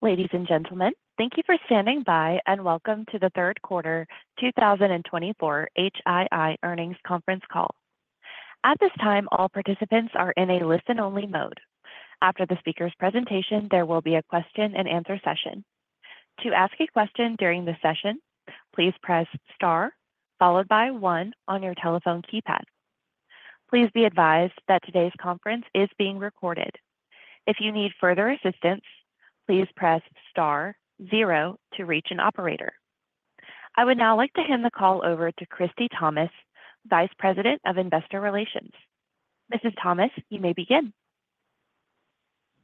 Ladies and gentlemen, thank you for standing by and welcome to the Q3 2024 HII Earnings Conference Call. At this time, all participants are in a listen-only mode. After the speaker's presentation, there will be a question-and-answer session. To ask a question during the session, please press star followed by one on your telephone keypad. Please be advised that today's conference is being recorded. If you need further assistance, please press star zero to reach an operator. I would now like to hand the call over to Christie Thomas, VP of Investor Relations. Mrs. Thomas, you may begin.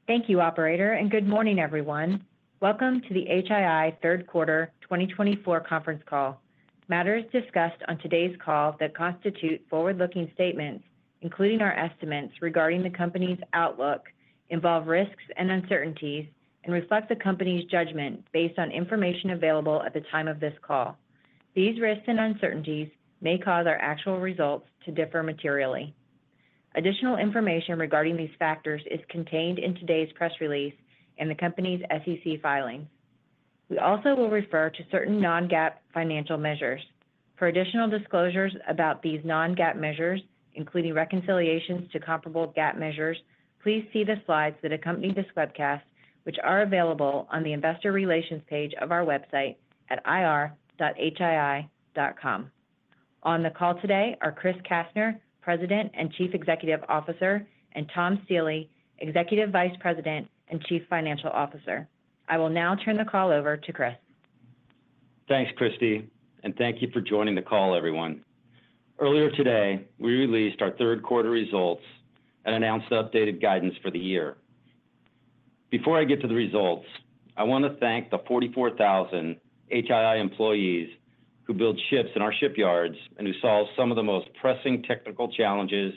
Thank you, operator, and good morning, everyone. Welcome to the HII Q3 2024 Conference Call. Matters discussed on today's call that constitute forward-looking statements, including our estimates regarding the company's outlook, involve risks and uncertainties, and reflect the company's judgment based on information available at the time of this call. These risks and uncertainties may cause our actual results to differ materially. Additional information regarding these factors is contained in today's press release and the company's SEC filings. We also will refer to certain non-GAAP financial measures. For additional disclosures about these non-GAAP measures, including reconciliations to comparable GAAP measures, please see the slides that accompany this webcast, which are available on the Investor Relations page of our website at ir.hii.com. On the call today are Chris Kastner, President and CEO, and Tom Stiehle, EVP and CFO. I will now turn the call over to Chris. Thanks, Christie, and thank you for joining the call, everyone. Earlier today, we released our Q3 results and announced the updated guidance for the year. Before I get to the results, I want to thank the 44,000 HII employees who build ships in our shipyards and who solve some of the most pressing technical challenges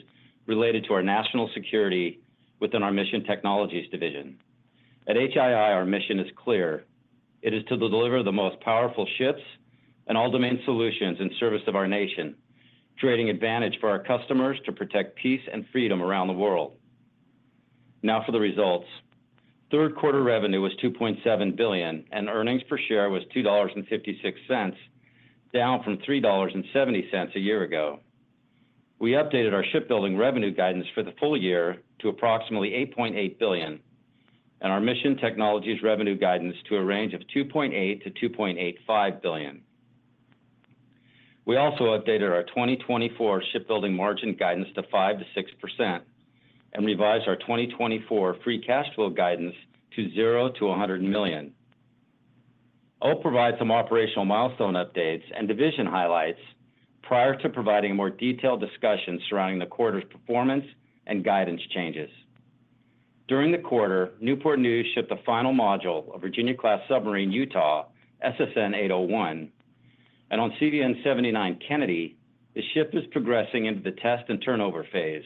related to our national security within our Mission Technologies division. At HII, our mission is clear. It is to deliver the most powerful ships and all-domain solutions in service of our nation, creating advantage for our customers to protect peace and freedom around the world. Now for the results. Q3 revenue was $2.7 billion, and earnings per share was $2.56, down from $3.70 a year ago. We updated our Shipbuilding revenue guidance for the full year to approximately $8.8 billion, and our Mission Technologies revenue guidance to a range of $2.8 billion-$2.85 billion. We also updated our 2024 Shipbuilding margin guidance to 5%-6% and revised our 2024 free cash flow guidance to $0 million-$100 million. I'll provide some operational milestone updates and division highlights prior to providing a more detailed discussion surrounding the quarter's performance and guidance changes. During the quarter, Newport News shipped the final module of Virginia-class submarine Utah, SSN 801, and on CVN 79 Kennedy. The ship is progressing into the test and turnover phase.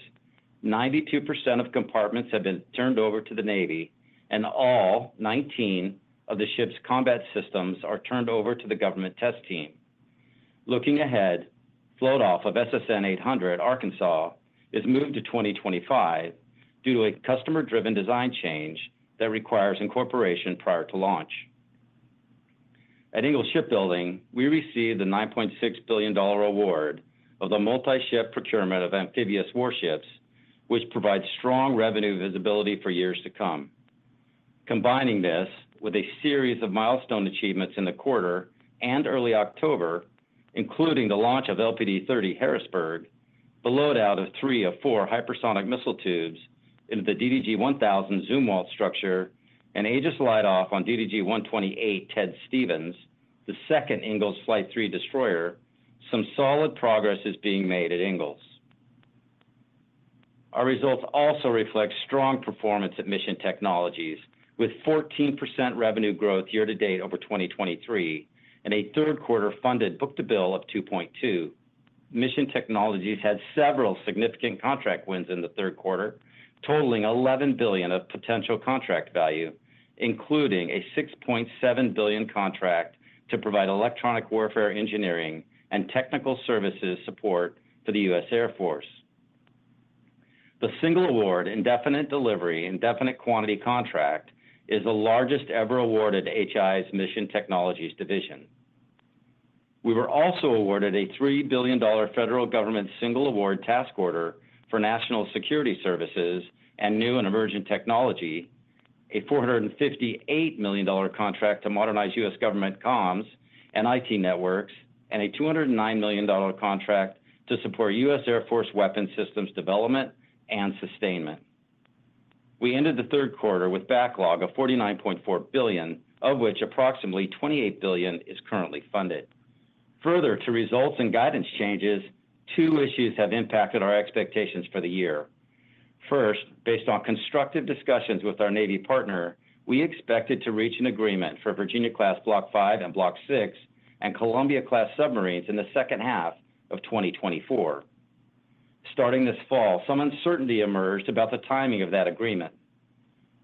92% of compartments have been turned over to the Navy, and all 19 of the ship's combat systems are turned over to the government test team. Looking ahead, float-off of SSN 800, Arkansas, is moved to 2025 due to a customer-driven design change that requires incorporation prior to launch. At Ingalls Shipbuilding, we received the $9.6 billion award of the multi-ship procurement of amphibious warships, which provides strong revenue visibility for years to come. Combining this with a series of milestone achievements in the quarter and early October, including the launch of LPD-30 Harrisburg, the loadout of three of four hypersonic missile tubes into the DDG-1000 Zumwalt structure, and Aegis Light-Off on DDG-128 Ted Stevens, the second Ingalls Flight III destroyer, some solid progress is being made at Ingalls. Our results also reflect strong performance at Mission Technologies, with 14% revenue growth year-to-date over 2023 and a Q3 funded book-to-bill of 2.2. Mission Technologies had several significant contract wins in the Q3, totaling $11 billion of potential contract value, including a $6.7 billion contract to provide electronic warfare engineering and technical services support for the U.S. Air Force. The single award, Indefinite Delivery, Indefinite Quantity contract, is the largest ever awarded to HII's Mission Technologies division. We were also awarded a $3 billion federal government single award task order for national security services and new and emerging technology, a $458 million contract to modernize U.S. government comms and IT networks, and a $209 million contract to support U.S. Air Force weapons systems development and sustainment. We ended the Q3 with backlog of $49.4 billion, of which approximately $28 billion is currently funded. Further, to results and guidance changes, two issues have impacted our expectations for the year. First, based on constructive discussions with our Navy partner, we expected to reach an agreement for Virginia-class Block V and Block VI and Columbia-class submarines in the second half of 2024. Starting this fall, some uncertainty emerged about the timing of that agreement.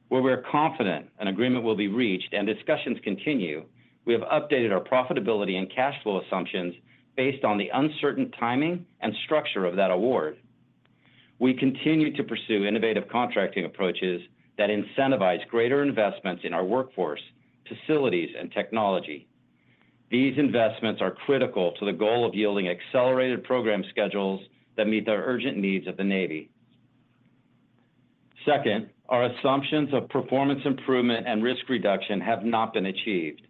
While we are confident an agreement will be reached and discussions continue, we have updated our profitability and cash flow assumptions based on the uncertain timing and structure of that award. We continue to pursue innovative contracting approaches that incentivize greater investments in our workforce, facilities, and technology. These investments are critical to the goal of yielding accelerated program schedules that meet the urgent needs of the Navy. Second, our assumptions of performance improvement and risk reduction have not been achieved.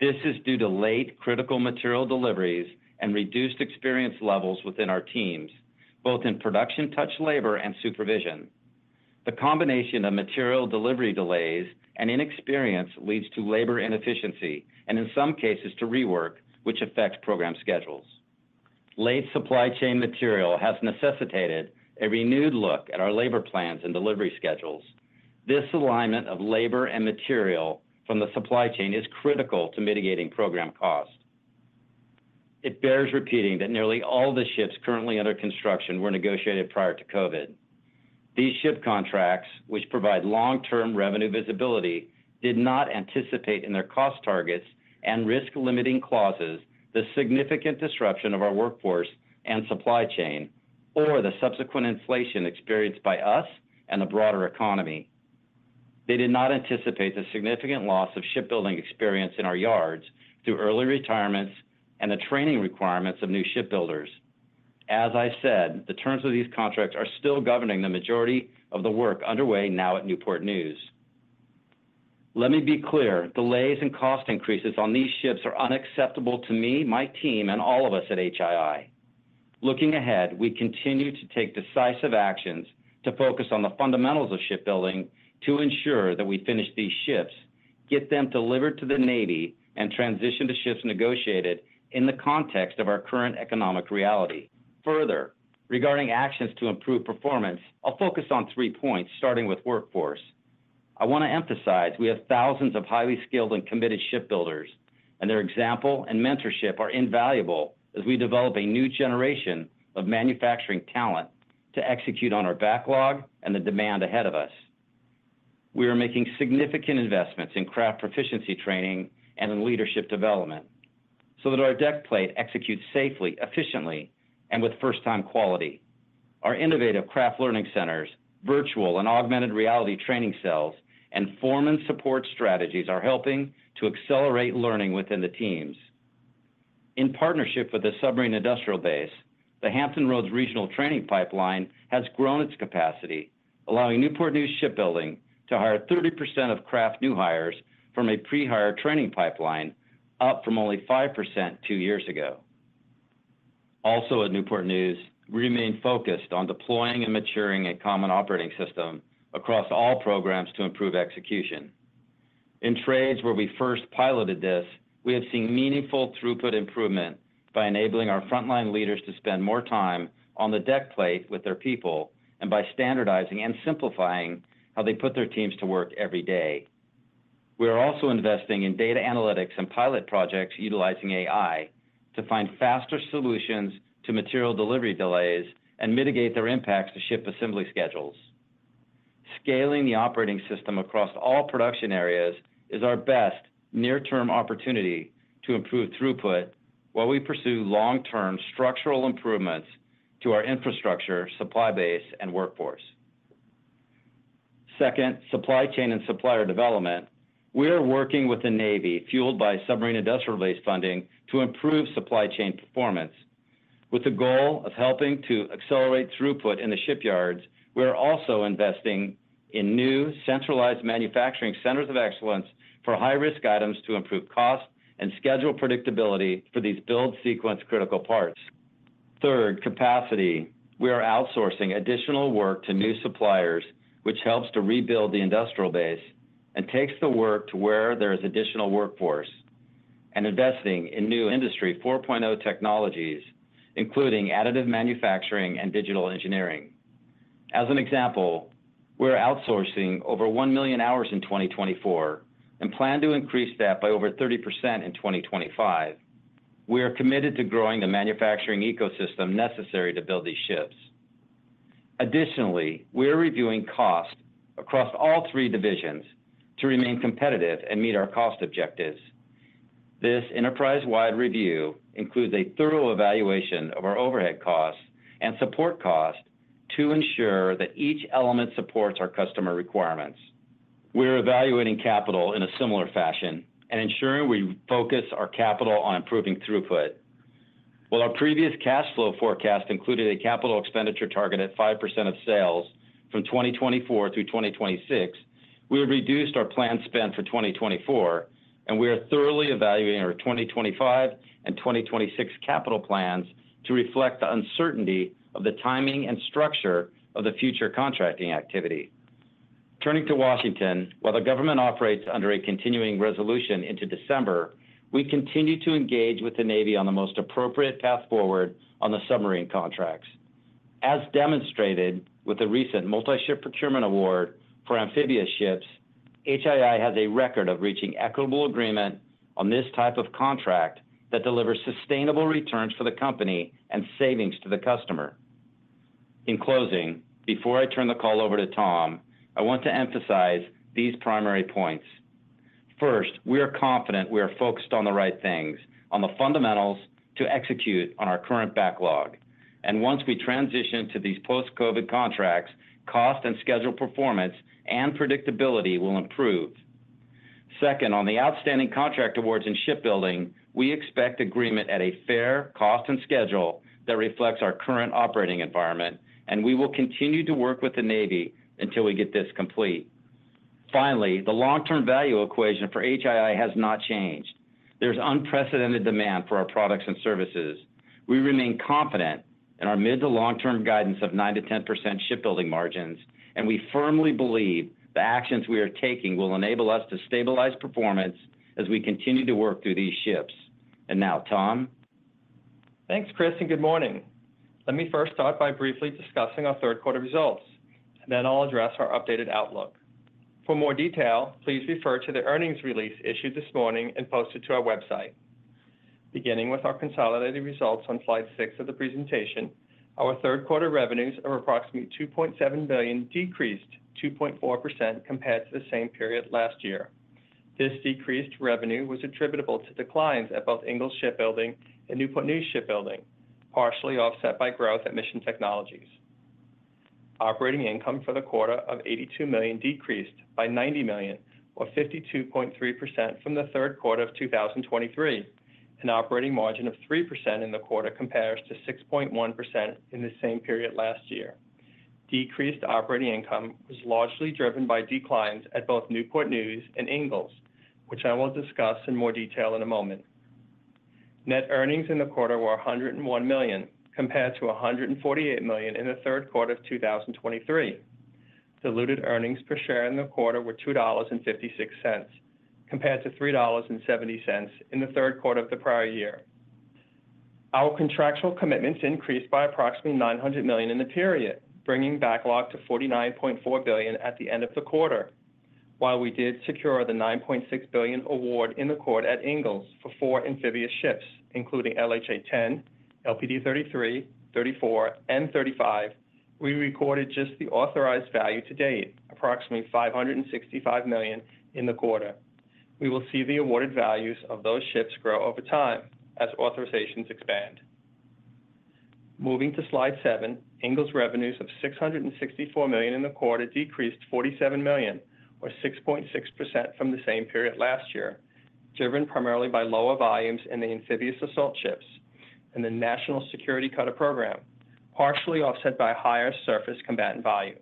This is due to late, critical material deliveries and reduced experience levels within our teams, both in production-touch labor and supervision. The combination of material delivery delays and inexperience leads to labor inefficiency and, in some cases, to rework, which affects program schedules. Late supply chain material has necessitated a renewed look at our labor plans and delivery schedules. This alignment of labor and material from the supply chain is critical to mitigating program cost. It bears repeating that nearly all the ships currently under construction were negotiated prior to COVID. These ship contracts, which provide long-term revenue visibility, did not anticipate in their cost targets and risk-limiting clauses the significant disruption of our workforce and supply chain or the subsequent inflation experienced by us and the broader economy. They did not anticipate the significant loss of shipbuilding experience in our yards through early retirements and the training requirements of new shipbuilders. As I said, the terms of these contracts are still governing the majority of the work underway now at Newport News. Let me be clear: delays and cost increases on these ships are unacceptable to me, my team, and all of us at HII. Looking ahead, we continue to take decisive actions to focus on the fundamentals of shipbuilding to ensure that we finish these ships, get them delivered to the Navy, and transition to ships negotiated in the context of our current economic reality. Further, regarding actions to improve performance, I'll focus on three points, starting with workforce. I want to emphasize we have thousands of highly skilled and committed shipbuilders, and their example and mentorship are invaluable as we develop a new generation of manufacturing talent to execute on our backlog and the demand ahead of us. We are making significant investments in craft proficiency training and in leadership development so that our deck plate executes safely, efficiently, and with first-time quality. Our innovative craft learning centers, virtual and augmented reality training cells, and foreman support strategies are helping to accelerate learning within the teams. In partnership with the Submarine Industrial Base, the Hampton Roads regional training pipeline has grown its capacity, allowing Newport News Shipbuilding to hire 30% of craft new hires from a pre-hire training pipeline, up from only 5% two years ago. Also at Newport News, we remain focused on deploying and maturing a common operating system across all programs to improve execution. In trades where we first piloted this, we have seen meaningful throughput improvement by enabling our frontline leaders to spend more time on the deck plate with their people and by standardizing and simplifying how they put their teams to work every day. We are also investing in data analytics and pilot projects utilizing AI to find faster solutions to material delivery delays and mitigate their impacts to ship assembly schedules. Scaling the operating system across all production areas is our best near-term opportunity to improve throughput while we pursue long-term structural improvements to our infrastructure, supply base, and workforce. Second, supply chain and supplier development. We are working with the Navy, fueled by submarine industrial base funding, to improve supply chain performance. With the goal of helping to accelerate throughput in the shipyards, we are also investing in new centralized manufacturing centers of excellence for high-risk items to improve cost and schedule predictability for these build sequence critical parts. Third, capacity. We are outsourcing additional work to new suppliers, which helps to rebuild the industrial base and takes the work to where there is additional workforce, and investing in new Industry 4.0 technologies, including additive manufacturing and digital engineering. As an example, we are outsourcing over 1 million hours in 2024 and plan to increase that by over 30% in 2025. We are committed to growing the manufacturing ecosystem necessary to build these ships. Additionally, we are reviewing cost across all three divisions to remain competitive and meet our cost objectives. This enterprise-wide review includes a thorough evaluation of our overhead costs and support costs to ensure that each element supports our customer requirements. We are evaluating capital in a similar fashion and ensuring we focus our capital on improving throughput. While our previous cash flow forecast included a capital expenditure target at 5% of sales from 2024 through 2026, we have reduced our planned spend for 2024, and we are thoroughly evaluating our 2025 and 2026 capital plans to reflect the uncertainty of the timing and structure of the future contracting activity. Turning to Washington, while the government operates under a continuing resolution into December, we continue to engage with the Navy on the most appropriate path forward on the submarine contracts. As demonstrated with the recent multi-ship procurement award for amphibious ships, HII has a record of reaching equitable agreement on this type of contract that delivers sustainable returns for the company and savings to the customer. In closing, before I turn the call over to Tom, I want to emphasize these primary points. First, we are confident we are focused on the right things, on the fundamentals to execute on our current backlog, and once we transition to these post-COVID contracts, cost and schedule performance and predictability will improve. Second, on the outstanding contract awards in shipbuilding, we expect agreement at a fair cost and schedule that reflects our current operating environment, and we will continue to work with the Navy until we get this complete. Finally, the long-term value equation for HII has not changed. There is unprecedented demand for our products and services. We remain confident in our mid- to long-term guidance of 9%-10% shipbuilding margins, and we firmly believe the actions we are taking will enable us to stabilize performance as we continue to work through these ships. And now, Tom. Thanks, Chris, and good morning. Let me first start by briefly discussing our Q3 results, and then I'll address our updated outlook. For more detail, please refer to the earnings release issued this morning and posted to our website. Beginning with our consolidated results on Slide six of the presentation, our Q3 revenues of approximately $2.7 billion decreased 2.4% compared to the same period last year. This decreased revenue was attributable to declines at both Ingalls Shipbuilding and Newport News Shipbuilding, partially offset by growth at Mission Technologies. Operating income for the quarter of $82 million decreased by $90 million, or 52.3% from the Q3 of 2023, and operating margin of 3% in the quarter compares to 6.1% in the same period last year. Decreased operating income was largely driven by declines at both Newport News and Ingalls, which I will discuss in more detail in a moment. Net earnings in the quarter were $101 million compared to $148 million in the Q3 of 2023. Diluted earnings per share in the quarter were $2.56 compared to $3.70 in the Q3 of the prior year. Our contractual commitments increased by approximately $900 million in the period, bringing backlog to $49.4 billion at the end of the quarter. While we did secure the $9.6 billion award in the quarter at Ingalls for four amphibious ships, including LHA-10, LPD-33, LPD-34, and LPD-35, we recorded just the authorized value to date, approximately $565 million in the quarter. We will see the awarded values of those ships grow over time as authorizations expand. Moving to Slide seven, Ingalls revenues of $664 million in the quarter decreased $47 million, or 6.6% from the same period last year, driven primarily by lower volumes in the amphibious assault ships and the National Security Cutter program, partially offset by higher surface combatant volume.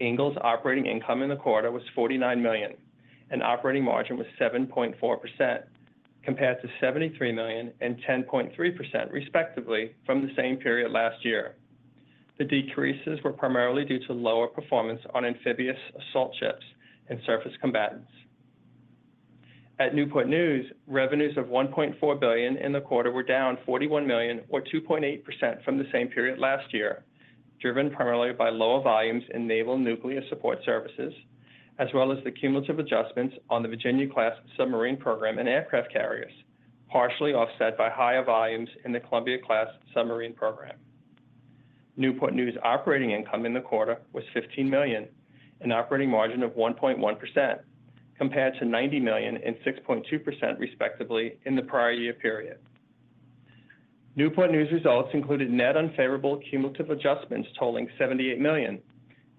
Ingalls operating income in the quarter was $49 million, and operating margin was 7.4% compared to $73 million and 10.3% respectively from the same period last year. The decreases were primarily due to lower performance on amphibious assault ships and surface combatants. At Newport News, revenues of $1.4 billion in the quarter were down $41 million, or 2.8% from the same period last year, driven primarily by lower volumes in naval nuclear support services, as well as the cumulative adjustments on the Virginia-class submarine program and aircraft carriers, partially offset by higher volumes in the Columbia-class submarine program. Newport News operating income in the quarter was $15 million, an operating margin of 1.1% compared to $90 million and 6.2% respectively in the prior year period. Newport News results included net unfavorable cumulative adjustments totaling $78 million,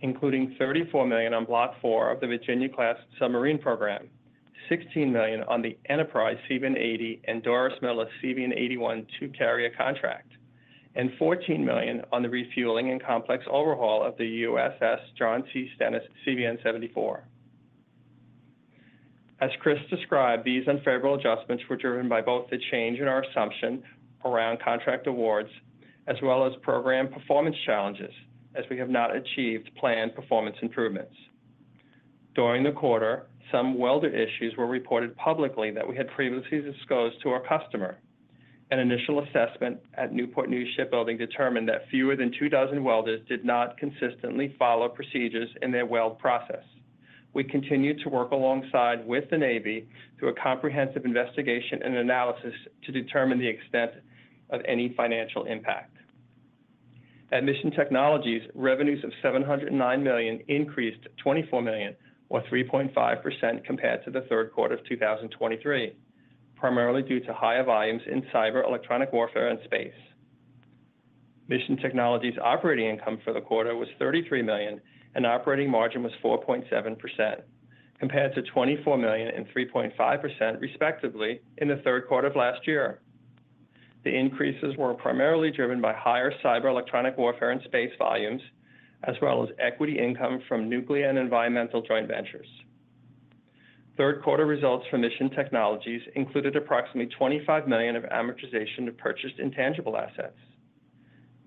including $34 million on Block IV of the Virginia-class submarine program, $16 million on the Enterprise CVN-80 and Doris Miller CVN-81 two-carrier contract, and $14 million on the Refueling and Complex Overhaul of the USS John C. Stennis CVN-74. As Chris described, these unfavorable adjustments were driven by both the change in our assumption around contract awards as well as program performance challenges, as we have not achieved planned performance improvements. During the quarter, some welder issues were reported publicly that we had previously disclosed to our customer. An initial assessment at Newport News Shipbuilding determined that fewer than two dozen welders did not consistently follow procedures in their weld process. We continue to work alongside with the Navy through a comprehensive investigation and analysis to determine the extent of any financial impact. At Mission Technologies, revenues of $709 million increased $24 million, or 3.5% compared to the Q3 of 2023, primarily due to higher volumes in cyber electronic warfare and space. Mission Technologies operating income for the quarter was $33 million, and operating margin was 4.7% compared to $24 million and 3.5% respectively in the Q3 of last year. The increases were primarily driven by higher cyber electronic warfare and space volumes, as well as equity income from nuclear and environmental joint ventures. Q3 results for Mission Technologies included approximately $25 million of amortization of purchased intangible assets.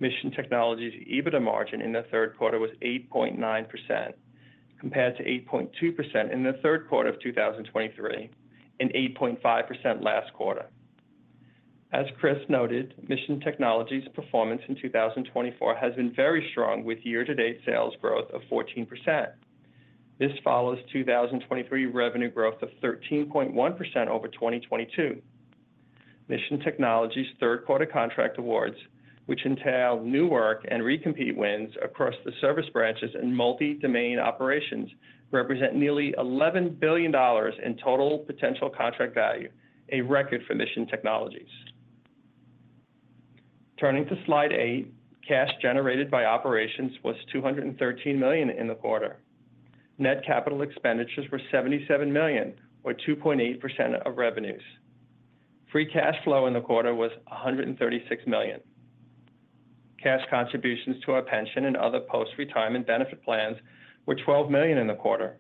Mission Technologies' EBITDA margin in the Q3 was 8.9% compared to 8.2% in the Q3 of 2023 and 8.5% last quarter. As Chris noted, Mission Technologies' performance in 2024 has been very strong with year-to-date sales growth of 14%. This follows 2023 revenue growth of 13.1% over 2022. Mission Technologies' Q3 contract awards, which entail new work and recompete wins across the service branches and multi-domain operations, represent nearly $11 billion in total potential contract value, a record for Mission Technologies. Turning to Slide eight, cash generated by operations was $213 million in the quarter. Net capital expenditures were $77 million, or 2.8% of revenues. Free cash flow in the quarter was $136 million. Cash contributions to our pension and other post-retirement benefit plans were $12 million in the quarter.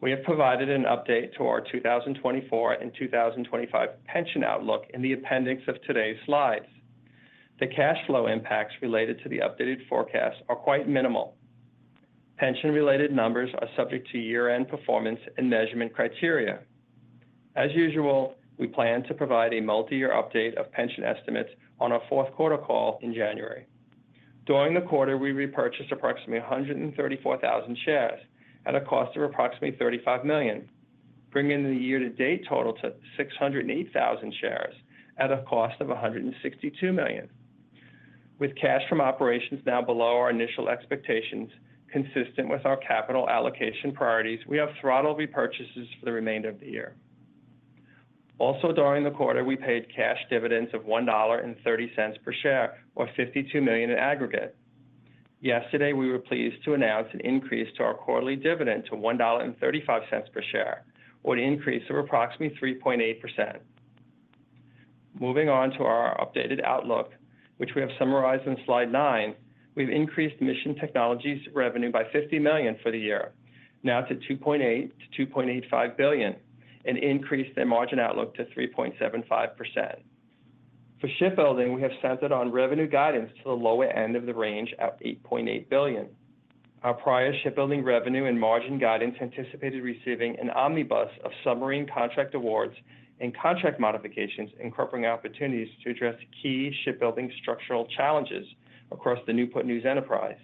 We have provided an update to our 2024 and 2025 pension outlook in the appendix of today's slides. The cash flow impacts related to the updated forecast are quite minimal. Pension-related numbers are subject to year-end performance and measurement criteria. As usual, we plan to provide a multi-year update of pension estimates on our Q4 call in January. During the quarter, we repurchased approximately 134,000 shares at a cost of approximately $35 million, bringing the year-to-date total to 608,000 shares at a cost of $162 million. With cash from operations now below our initial expectations consistent with our capital allocation priorities, we have throttled repurchases for the remainder of the year. Also, during the quarter, we paid cash dividends of $1.30 per share, or $52 million in aggregate. Yesterday, we were pleased to announce an increase to our quarterly dividend to $1.35 per share, or an increase of approximately 3.8%. Moving on to our updated outlook, which we have summarized in Slide nine, we've increased Mission Technologies' revenue by $50 million for the year, now to $2.8 billion-$2.85 billion, and increased their margin outlook to 3.75%. For Shipbuilding, we have centered on revenue guidance to the lower end of the range at $8.8 billion. Our prior Shipbuilding revenue and margin guidance anticipated receiving an omnibus of submarine contract awards and contract modifications incorporating opportunities to address key shipbuilding structural challenges across the Newport News enterprise,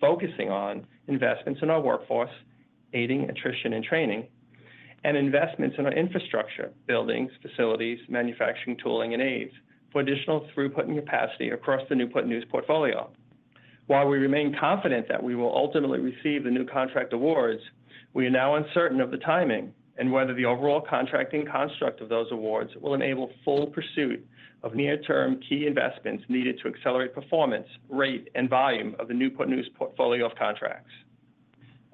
focusing on investments in our workforce, aiding attrition and training, and investments in our infrastructure, buildings, facilities, manufacturing tooling, and aids for additional throughput and capacity across the Newport News portfolio. While we remain confident that we will ultimately receive the new contract awards, we are now uncertain of the timing and whether the overall contracting construct of those awards will enable full pursuit of near-term key investments needed to accelerate performance, rate, and volume of the Newport News portfolio of contracts.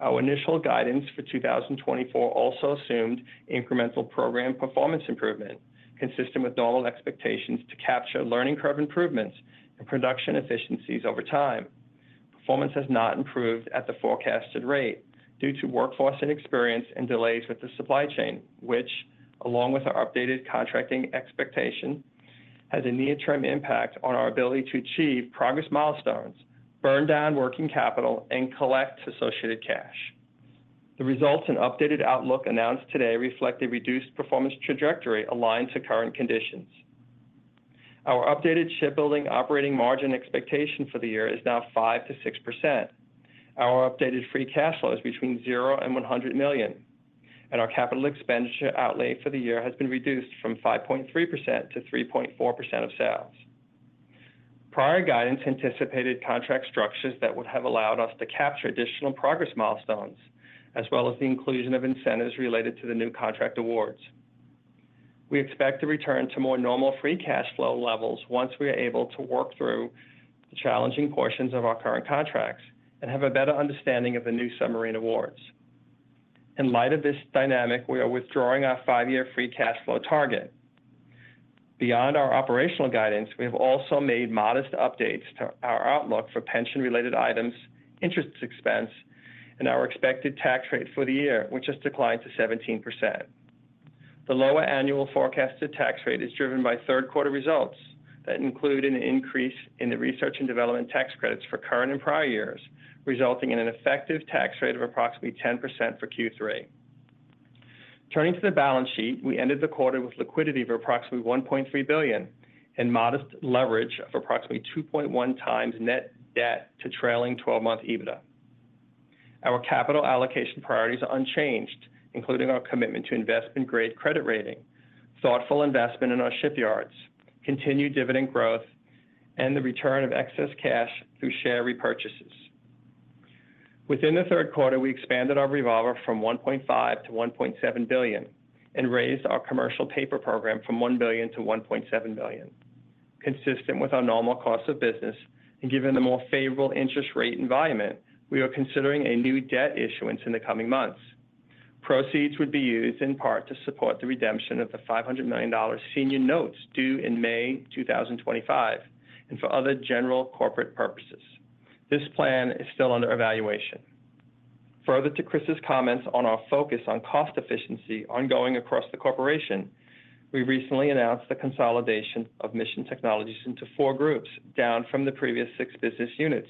Our initial guidance for 2024 also assumed incremental program performance improvement consistent with normal expectations to capture learning curve improvements and production efficiencies over time. Performance has not improved at the forecasted rate due to workforce inexperience and delays with the supply chain, which, along with our updated contracting expectation, has a near-term impact on our ability to achieve progress milestones, burn down working capital, and collect associated cash. The results and updated outlook announced today reflect a reduced performance trajectory aligned to current conditions. Our updated Shipbuilding operating margin expectation for the year is now 5%-6%. Our updated free cash flow is between $0 and $100 million, and our capital expenditure outlay for the year has been reduced from 5.3%-3.4% of sales. Prior guidance anticipated contract structures that would have allowed us to capture additional progress milestones, as well as the inclusion of incentives related to the new contract awards. We expect to return to more normal free cash flow levels once we are able to work through the challenging portions of our current contracts and have a better understanding of the new submarine awards. In light of this dynamic, we are withdrawing our five-year free cash flow target. Beyond our operational guidance, we have also made modest updates to our outlook for pension-related items, interest expense, and our expected tax rate for the year, which has declined to 17%. The lower annual forecasted tax rate is driven by Q3 results that include an increase in the research and development tax credits for current and prior years, resulting in an effective tax rate of approximately 10% for Q3. Turning to the balance sheet, we ended the quarter with liquidity for approximately $1.3 billion and modest leverage of approximately 2.1x net debt to trailing 12-month EBITDA. Our capital allocation priorities are unchanged, including our commitment to investment-grade credit rating, thoughtful investment in our shipyards, continued dividend growth, and the return of excess cash through share repurchases. Within the Q3, we expanded our revolver from $1.5 billion-$1.7 billion and raised our commercial paper program from $1 billion-$1.7 billion. Consistent with our normal cost of business and given the more favorable interest rate environment, we are considering a new debt issuance in the coming months. Proceeds would be used in part to support the redemption of the $500 million senior notes due in May 2025 and for other general corporate purposes. This plan is still under evaluation. Further to Chris's comments on our focus on cost efficiency ongoing across the corporation, we recently announced the consolidation of Mission Technologies into four groups, down from the previous six business units,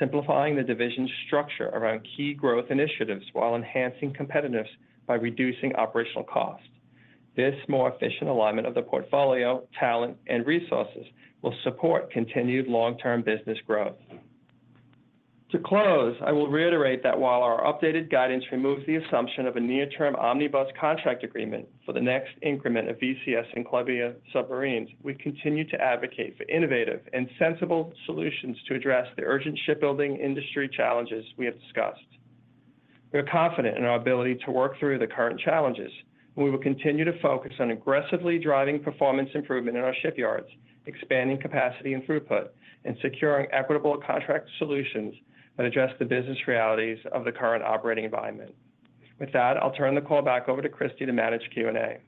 simplifying the division's structure around key growth initiatives while enhancing competitiveness by reducing operational cost. This more efficient alignment of the portfolio, talent, and resources will support continued long-term business growth. To close, I will reiterate that while our updated guidance removes the assumption of a near-term omnibus contract agreement for the next increment of VCS and Columbia submarines, we continue to advocate for innovative and sensible solutions to address the urgent shipbuilding industry challenges we have discussed. We are confident in our ability to work through the current challenges, and we will continue to focus on aggressively driving performance improvement in our shipyards, expanding capacity and throughput, and securing equitable contract solutions that address the business realities of the current operating environment. With that, I'll turn the call back over to Christie to manage Q&A.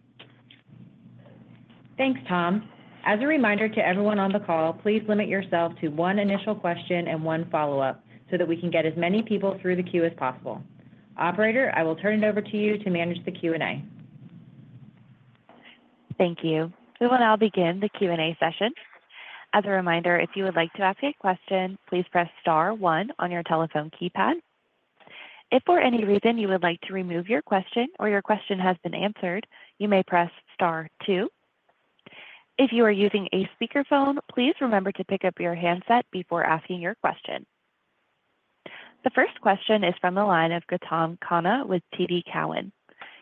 Thanks, Tom. As a reminder to everyone on the call, please limit yourself to one initial question and one follow-up so that we can get as many people through the queue as possible. Operator, I will turn it over to you to manage the Q&A. Thank you. We will now begin the Q&A session. As a reminder, if you would like to ask a question, please press star one on your telephone keypad. If for any reason you would like to remove your question or your question has been answered, you may press star two. If you are using a speakerphone, please remember to pick up your handset before asking your question. The first question is from the line of Gautam Khanna with TD Cowen.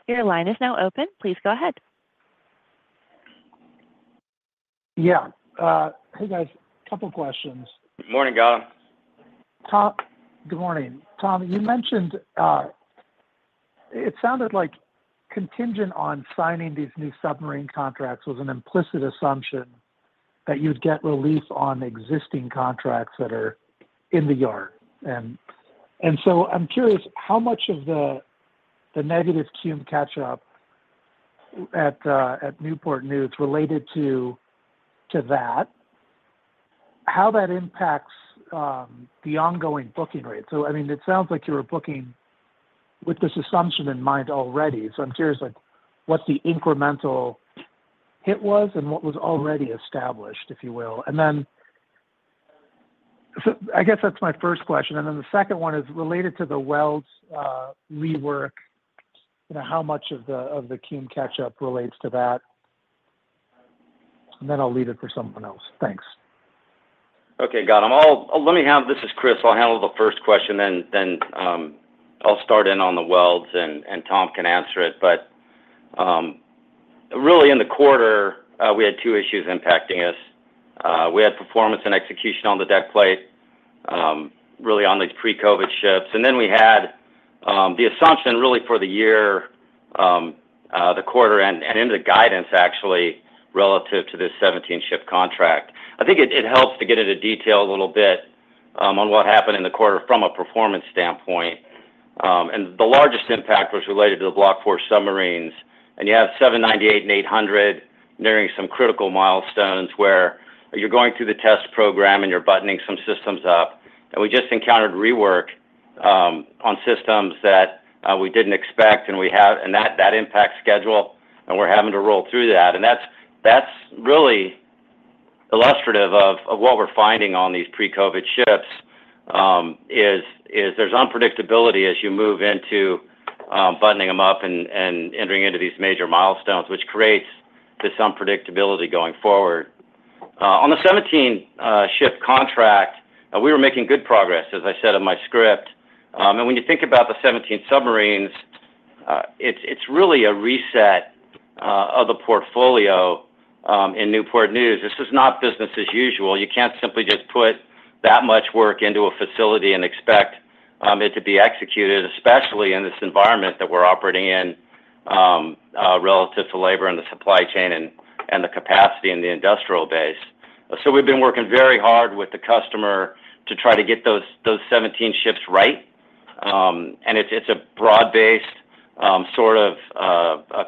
Your line is now open. Please go ahead. Yeah. Hey, guys. A couple of questions. Good morning, Gautam. Tom, good morning. Tom, you mentioned it sounded like contingent on signing these new submarine contracts was an implicit assumption that you'd get relief on existing contracts that are in the yard. And so I'm curious how much of the negative cumulative catch-up at Newport News related to that, how that impacts the ongoing booking rate. So, I mean, it sounds like you were booking with this assumption in mind already. I'm curious what the incremental hit was and what was already established, if you will. Then I guess that's my first question. Then the second one is related to the welds rework, how much of the cumulative catch-up relates to that. Then I'll leave it for someone else. Thanks. Okay, Gautam. Let me handle this. This is Chris. I'll handle the first question. Then I'll start in on the welds, and Tom can answer it. But really, in the quarter, we had two issues impacting us. We had performance and execution on the deck plate, really on these pre-COVID ships. Then we had the assumption really for the year, the quarter, and into the guidance actually relative to this 17-ship contract. I think it helps to get into detail a little bit on what happened in the quarter from a performance standpoint. The largest impact was related to the Block IV submarines. And you have 798 and 800 nearing some critical milestones where you're going through the test program and you're buttoning some systems up and we just encountered rework on systems that we didn't expect, and that impacts schedule, and we're having to roll through that. That's really illustrative of what we're finding on these pre-COVID ships is there's unpredictability as you move into buttoning them up and entering into these major milestones, which creates this unpredictability going forward. On the 17-ship contract, we were making good progress, as I said in my script. And when you think about the 17 submarines, it's really a reset of the portfolio in Newport News. This is not business as usual. You can't simply just put that much work into a facility and expect it to be executed, especially in this environment that we're operating in relative to labor and the supply chain and the capacity and the industrial base. So we've been working very hard with the customer to try to get those 17 ships right. And it's a broad-based sort of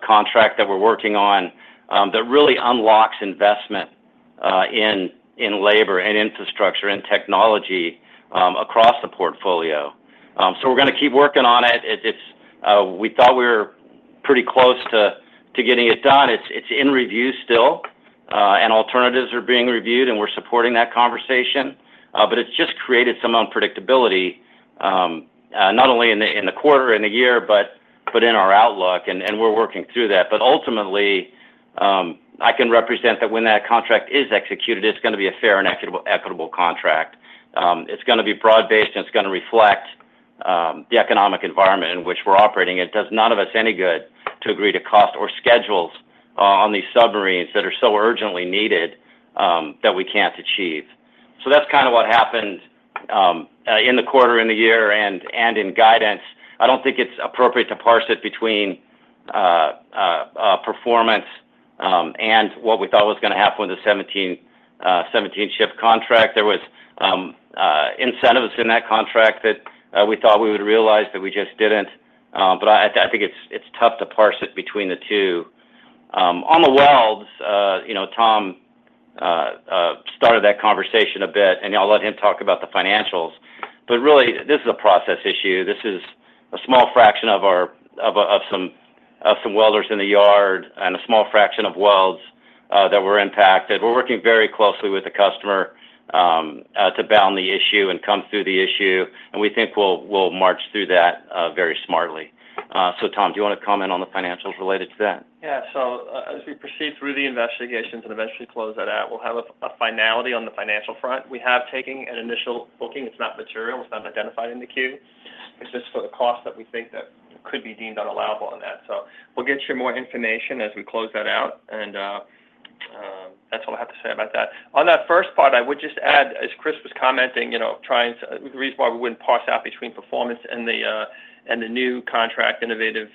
contract that we're working on that really unlocks investment in labor and infrastructure and technology across the portfolio. So we're going to keep working on it. We thought we were pretty close to getting it done. It's in review still, and alternatives are being reviewed, and we're supporting that conversation. But it's just created some unpredictability, not only in the quarter and the year, but in our outlook. And we're working through that. But ultimately, I can represent that when that contract is executed, it's going to be a fair and equitable contract. It's going to be broad-based, and it's going to reflect the economic environment in which we're operating. It does none of us any good to agree to cost or schedules on these submarines that are so urgently needed that we can't achieve. So that's kind of what happened in the quarter, in the year, and in guidance. I don't think it's appropriate to parse it between performance and what we thought was going to happen with the 17-ship contract. There were incentives in that contract that we thought we would realize that we just didn't. But I think it's tough to parse it between the two. On the welds, Tom started that conversation a bit, and I'll let him talk about the financials. But really, this is a process issue. This is a small fraction of some welders in the yard and a small fraction of welds that were impacted. We're working very closely with the customer to bound the issue and come through the issue. And we think we'll march through that very smartly. So, Tom, do you want to comment on the financials related to that? Yeah. So as we proceed through the investigations and eventually close that out, we'll have a finality on the financial front. We have taken an initial booking. It's not material. It's not identified in the queue. It's just for the cost that we think that could be deemed unallowable on that. So we'll get you more information as we close that out. And that's all I have to say about that. On that first part, I would just add, as Chris was commenting, the reason why we wouldn't parse out between performance and the new contract innovative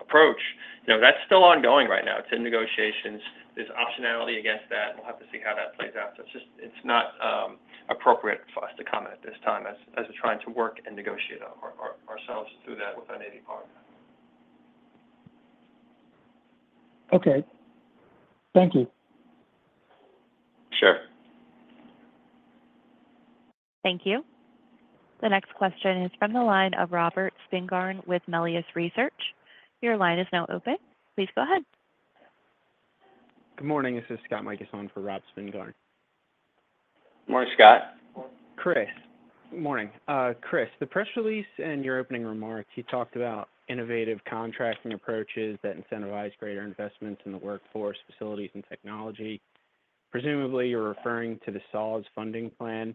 approach, that's still ongoing right now. It's in negotiations. There's optionality against that. We'll have to see how that plays out. So it's not appropriate for us to comment at this time as we're trying to work and negotiate ourselves through that with our Navy partner. Okay. Thank you. Sure. Thank you. The next question is from the line of Robert Spingarn with Melius Research. Your line is now open. Please go ahead. Good morning. This is Scott Mikus for Rob Spingarn. Good morning, Scott. Chris. Good morning. Chris, the press release and your opening remarks, you talked about innovative contracting approaches that incentivize greater investments in the workforce, facilities, and technology. Presumably, you're referring to the SAWS funding plan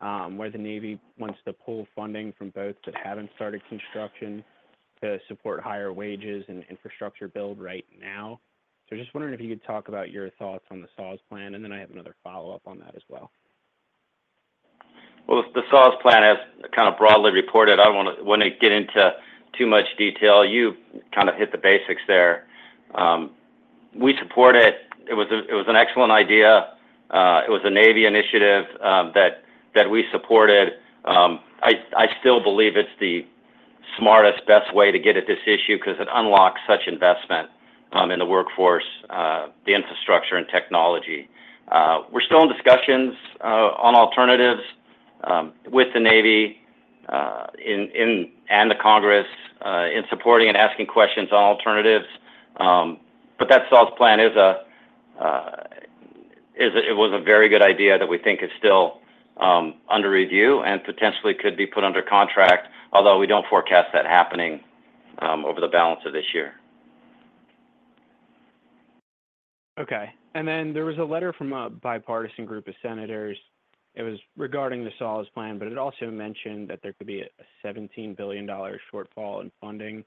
where the Navy wants to pull funding from boats that haven't started construction to support higher wages and infrastructure build right now. So just wondering if you could talk about your thoughts on the SAWS plan, and then I have another follow-up on that as well. Well, the SAWS plan is kind of broadly reported. I don't want to get into too much detail. You kind of hit the basics there. We support it. It was an excellent idea. It was a Navy initiative that we supported. I still believe it's the smartest, best way to get at this issue because it unlocks such investment in the workforce, the infrastructure, and technology. We're still in discussions on alternatives with the Navy and the Congress in supporting and asking questions on alternatives. That SAWS plan was a very good idea that we think is still under review and potentially could be put under contract, although we don't forecast that happening over the balance of this year. Okay. And then there was a letter from a bipartisan group of senators. It was regarding the SAWS plan, but it also mentioned that there could be a $17 billion shortfall in funding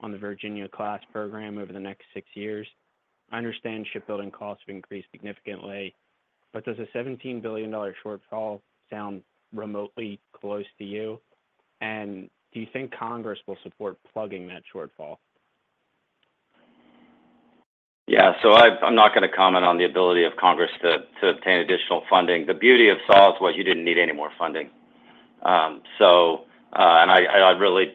on the Virginia class program over the next six years. I understand shipbuilding costs have increased significantly. But does a $17 billion shortfall sound remotely close to you? And do you think Congress will support plugging that shortfall? Yeah. I'm not going to comment on the ability of Congress to obtain additional funding. The beauty of SAWS was you didn't need any more funding. I really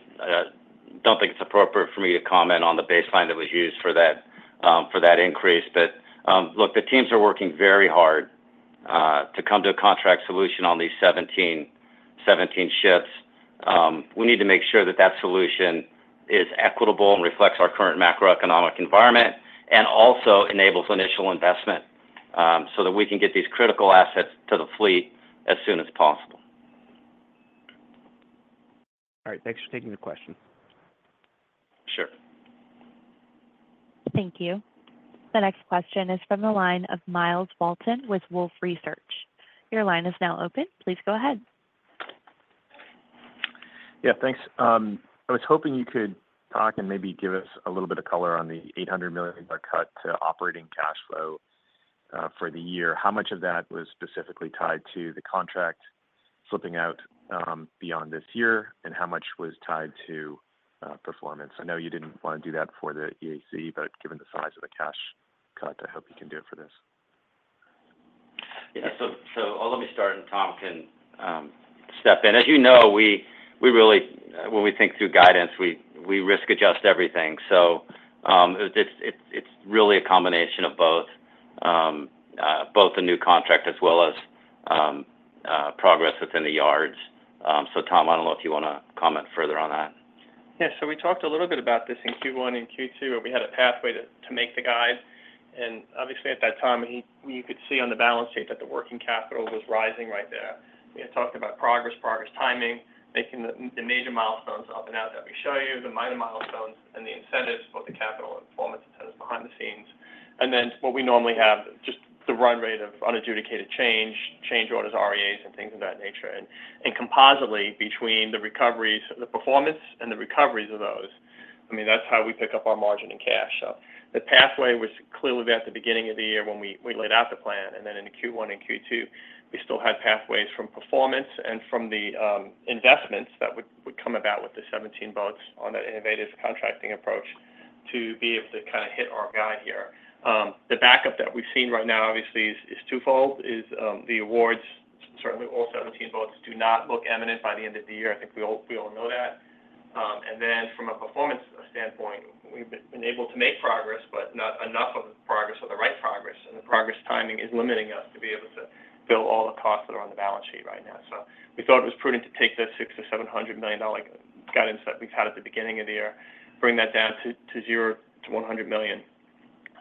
don't think it's appropriate for me to comment on the baseline that was used for that increase. But look, the teams are working very hard to come to a contract solution on these 17 ships. We need to make sure that that solution is equitable and reflects our current macroeconomic environment and also enables initial investment so that we can get these critical assets to the fleet as soon as possible. All right. Thanks for taking the question. Sure. Thank you. The next question is from the line of Myles Walton with Wolfe Research. Your line is now open. Please go ahead. Yeah. Thanks. I was hoping you could talk and maybe give us a little bit of color on the $800 million cut to operating cash flow for the year. How much of that was specifically tied to the contract slipping out beyond this year, and how much was tied to performance? I know you didn't want to do that for the EAC, but given the size of the cash cut, I hope you can do it for this. Yeah. So I'll let me start, and Tom can step in. As you know, when we think through guidance, we risk-adjust everything. So it's really a combination of both the new contract as well as progress within the yards. So, Tom, I don't know if you want to comment further on that. Yeah. So we talked a little bit about this in Q1 and Q2, and we had a pathway to make the guide. And obviously, at that time, you could see on the balance sheet that the working capital was rising right there. We had talked about progress, progress timing, making the major milestones up and out that we show you, the minor milestones, and the incentives, both the capital and performance incentives behind the scenes. And then what we normally have, just the run rate of unadjudicated change, change orders, REAs, and things of that nature. And cumulatively between the performance and the recoveries of those, I mean, that's how we pick up our margin and cash. So the pathway was clearly there at the beginning of the year when we laid out the plan. And then in Q1 and Q2, we still had pathways from performance and from the investments that would come about with the 17 boats on that innovative contracting approach to be able to kind of hit our guide here. The setback that we've seen right now, obviously, is twofold. The awards, certainly all 17 boats, do not look imminent by the end of the year. I think we all know that. And then from a performance standpoint, we've been able to make progress, but not enough of the progress or the right progress. And the progress timing is limiting us to be able to fill all the costs that are on the balance sheet right now. So we thought it was prudent to take the $600 million-$700 million guidance that we've had at the beginning of the year, bring that down to $0-$100 million.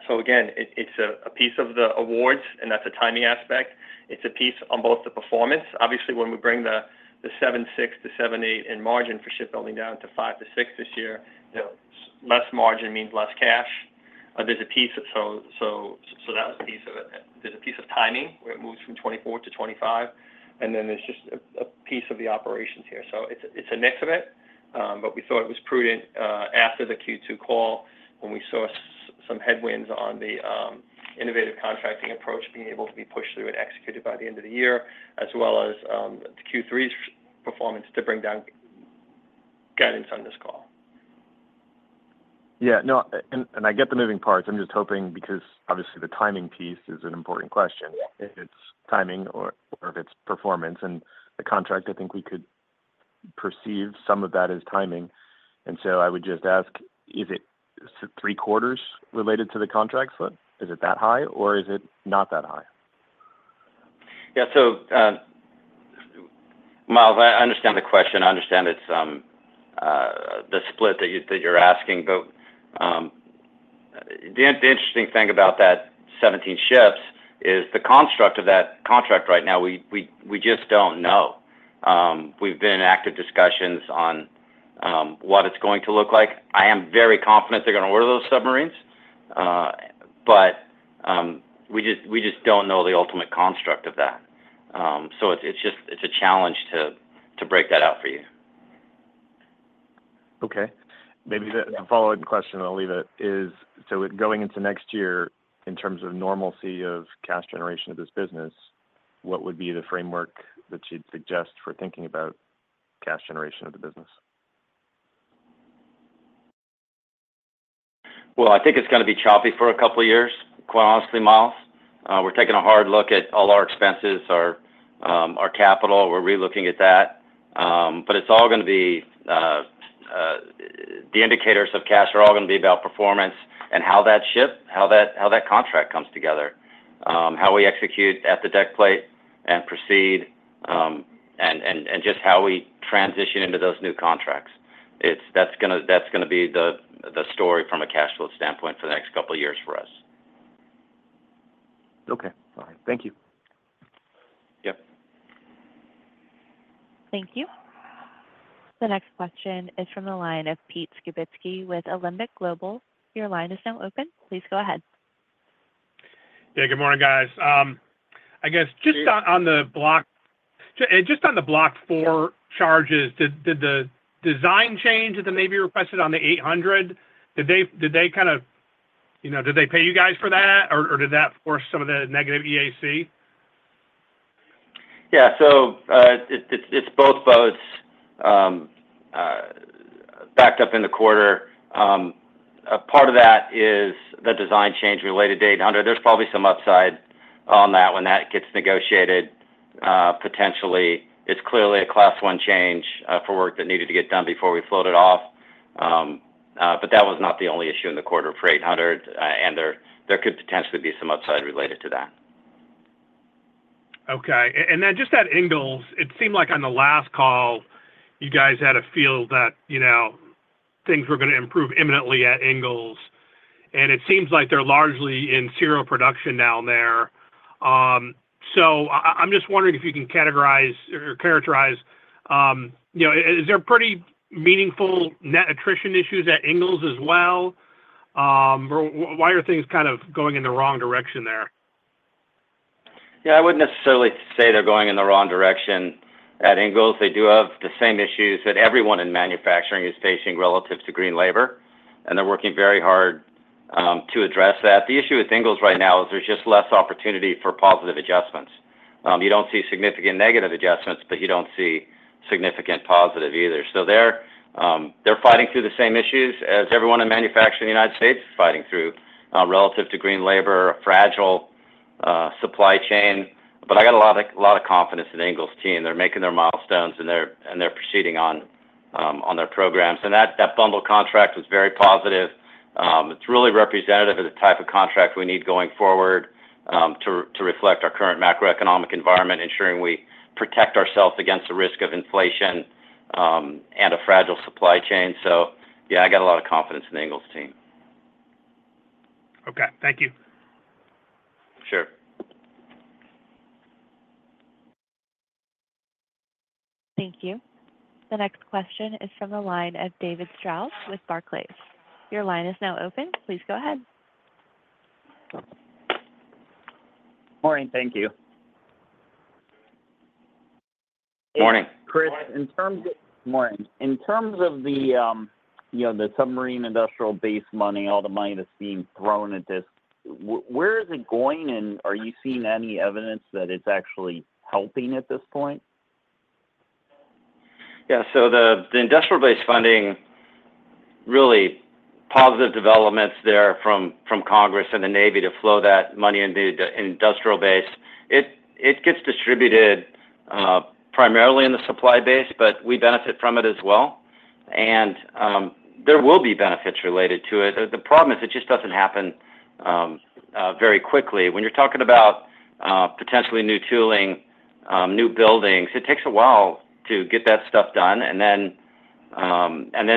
So again, it's a piece of the awards, and that's a timing aspect. It's a piece on both the performance. Obviously, when we bring the 7.6%-7.8% in margin for shipbuilding down to 5%-6% this year, less margin means less cash. There's a piece of so that was a piece of it. There's a piece of timing where it moves from 2024 to 2025. And then there's just a piece of the operations here. So it's a mix of it, but we thought it was prudent after the Q2 call when we saw some headwinds on the innovative contracting approach being able to be pushed through and executed by the end of the year, as well as Q3's performance to bring down guidance on this call. Yeah and I get the moving parts. I'm just hoping because obviously, the timing piece is an important question. If it's timing or if it's performance and the contract, I think we could perceive some of that as timing and so I would just ask, is it 3/4 related to the contract split? Is it that high, or is it not that high? Yeah. Myles, I understand the question. I understand the split that you're asking. But the interesting thing about that 17 ships is the construct of that contract right now. We just don't know. We've been in active discussions on what it's going to look like. I am very confident they're going to order those submarines, but we just don't know the ultimate construct of that. So it's a challenge to break that out for you. Okay. Maybe the following question, and I'll leave it, is so going into next year in terms of normalcy of cash generation of this business, what would be the framework that you'd suggest for thinking about cash generation of the business? Well, I think it's going to be choppy for a couple of years, quite honestly, Myles. We're taking a hard look at all our expenses, our capital. We're relooking at that. But it's all going to be the indicators of cash are all going to be about performance and how that ship, how that contract comes together, how we execute at the deck plate and proceed, and just how we transition into those new contracts. That's going to be the story from a cash flow standpoint for the next couple of years for us. Okay. All right. Thank you. Yep. Thank you. The next question is from the line of Pete Skibitski with Alembic Global. Your line is now open. Please go ahead. Yeah. Good morning, guys. I guess just on the block four charges, did the design change that the Navy requested on the 800, did they kind of did they pay you guys for that, or did that force some of the negative EAC? Yeah. So it's both boats backed up in the quarter. Part of that is the design change related to 800. There's probably some upside on that when that gets negotiated potentially. It's clearly a class one change for work that needed to get done before we floated off. But that was not the only issue in the quarter for 800. And there could potentially be some upside related to that. Okay and then just at Ingalls, it seemed like on the last call, you guys had a feel that things were going to improve imminently at Ingalls. And it seems like they're largely in serial production down there. So I'm just wondering if you can categorize or characterize, is there pretty meaningful net attrition issues at Ingalls as well? Why are things kind of going in the wrong direction there? Yeah. I wouldn't necessarily say they're going in the wrong direction at Ingalls. They do have the same issues that everyone in manufacturing is facing relative to green labor, and they're working very hard to address that. The issue with Ingalls right now is there's just less opportunity for positive adjustments. You don't see significant negative adjustments, but you don't see significant positive either. So they're fighting through the same issues as everyone in manufacturing in the United States is fighting through relative to green labor, fragile supply chain, but I got a lot of confidence in Ingalls' team. They're making their milestones, and they're proceeding on their programs, and that bundle contract was very positive. It's really representative of the type of contract we need going forward to reflect our current macroeconomic environment, ensuring we protect ourselves against the risk of inflation and a fragile supply chain, so yeah, I got a lot of confidence in the Ingalls' team. Okay. Thank you. Sure. Thank you. The next question is from the line of David Strauss with Barclays. Your line is now open. Please go ahead. Morning. Thank you. Good morning. Chris, in terms of the Submarine Industrial Base money, all the money that's being thrown at this, where is it going, and are you seeing any evidence that it's actually helping at this point? Yeah. So the industrial base funding, really positive developments there from Congress and the Navy to flow that money into the industrial base. It gets distributed primarily in the supply base, but we benefit from it as well, and there will be benefits related to it. The problem is it just doesn't happen very quickly. When you're talking about potentially new tooling, new buildings, it takes a while to get that stuff done and then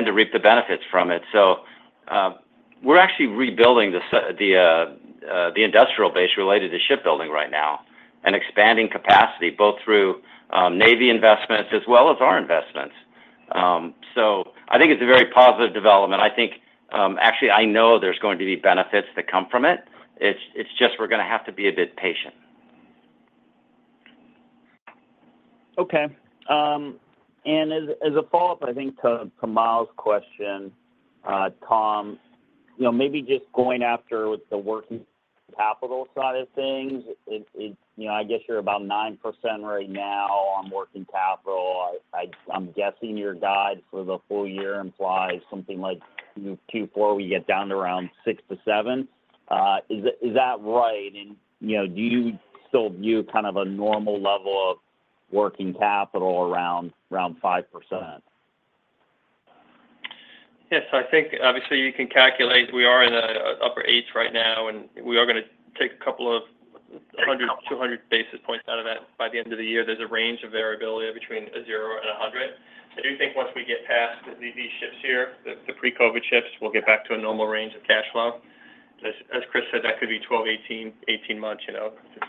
to reap the benefits from it. So we're actually rebuilding the industrial base related to Shipbuilding right now and expanding capacity both through Navy investments as well as our investments. So I think it's a very positive development. I think actually, I know there's going to be benefits that come from it. It's just we're going to have to be a bit patient. Okay and as a follow-up, I think to Myles' question, Tom, maybe just going after with the working capital side of things, I guess you're about 9% right now on working capital. I'm guessing your guide for the full year implies something like Q4, we get down to around 6%-7%. Is that right? And do you still view kind of a normal level of working capital around 5%? Yes. I think obviously you can calculate we are in the upper 8s right now, and we are going to take a couple of 100, 200 basis points out of that by the end of the year. There's a range of variability between 0 and 100. I do think once we get past these ships here, the pre-COVID ships, we'll get back to a normal range of cash flow. As Chris said, that could be 12, 18 months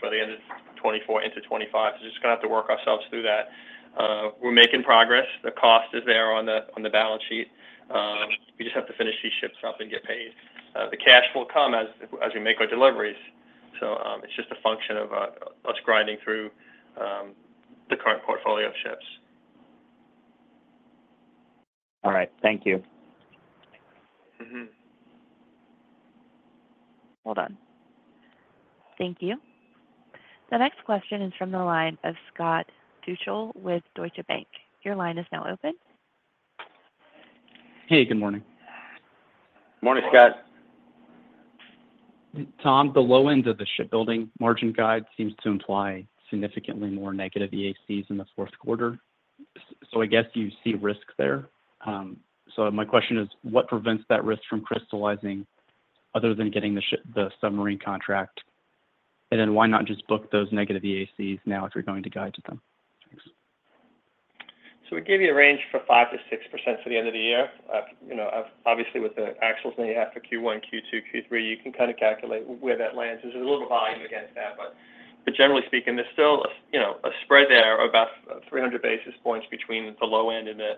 by the end of 2024 into 2025. Just going to have to work ourselves through that. We're making progress. The cost is there on the balance sheet. We just have to finish these ships up and get paid. The cash will come as we make our deliveries. It's just a function of us grinding through the current portfolio of ships. All right. Thank you. Hold on. Thank you. The next question is from the line of Scott Deuschle with Deutsche Bank. Your line is now open. Hey. Good morning. Morning, Scott. Tom, the low end of the shipbuilding margin guide seems to imply significantly more negative EACs in the Q4. So I guess you see risk there. So my question is, what prevents that risk from crystallizing other than getting the submarine contract? And then why not just book those negative EACs now if you're going to guide to them? So we gave you a range for 5%-6% to the end of the year. Obviously, with the actuals that you have for Q1, Q2, Q3, you can kind of calculate where that lands. There's a little volume against that. But generally speaking, there's still a spread there of about 300 basis points between the low end and the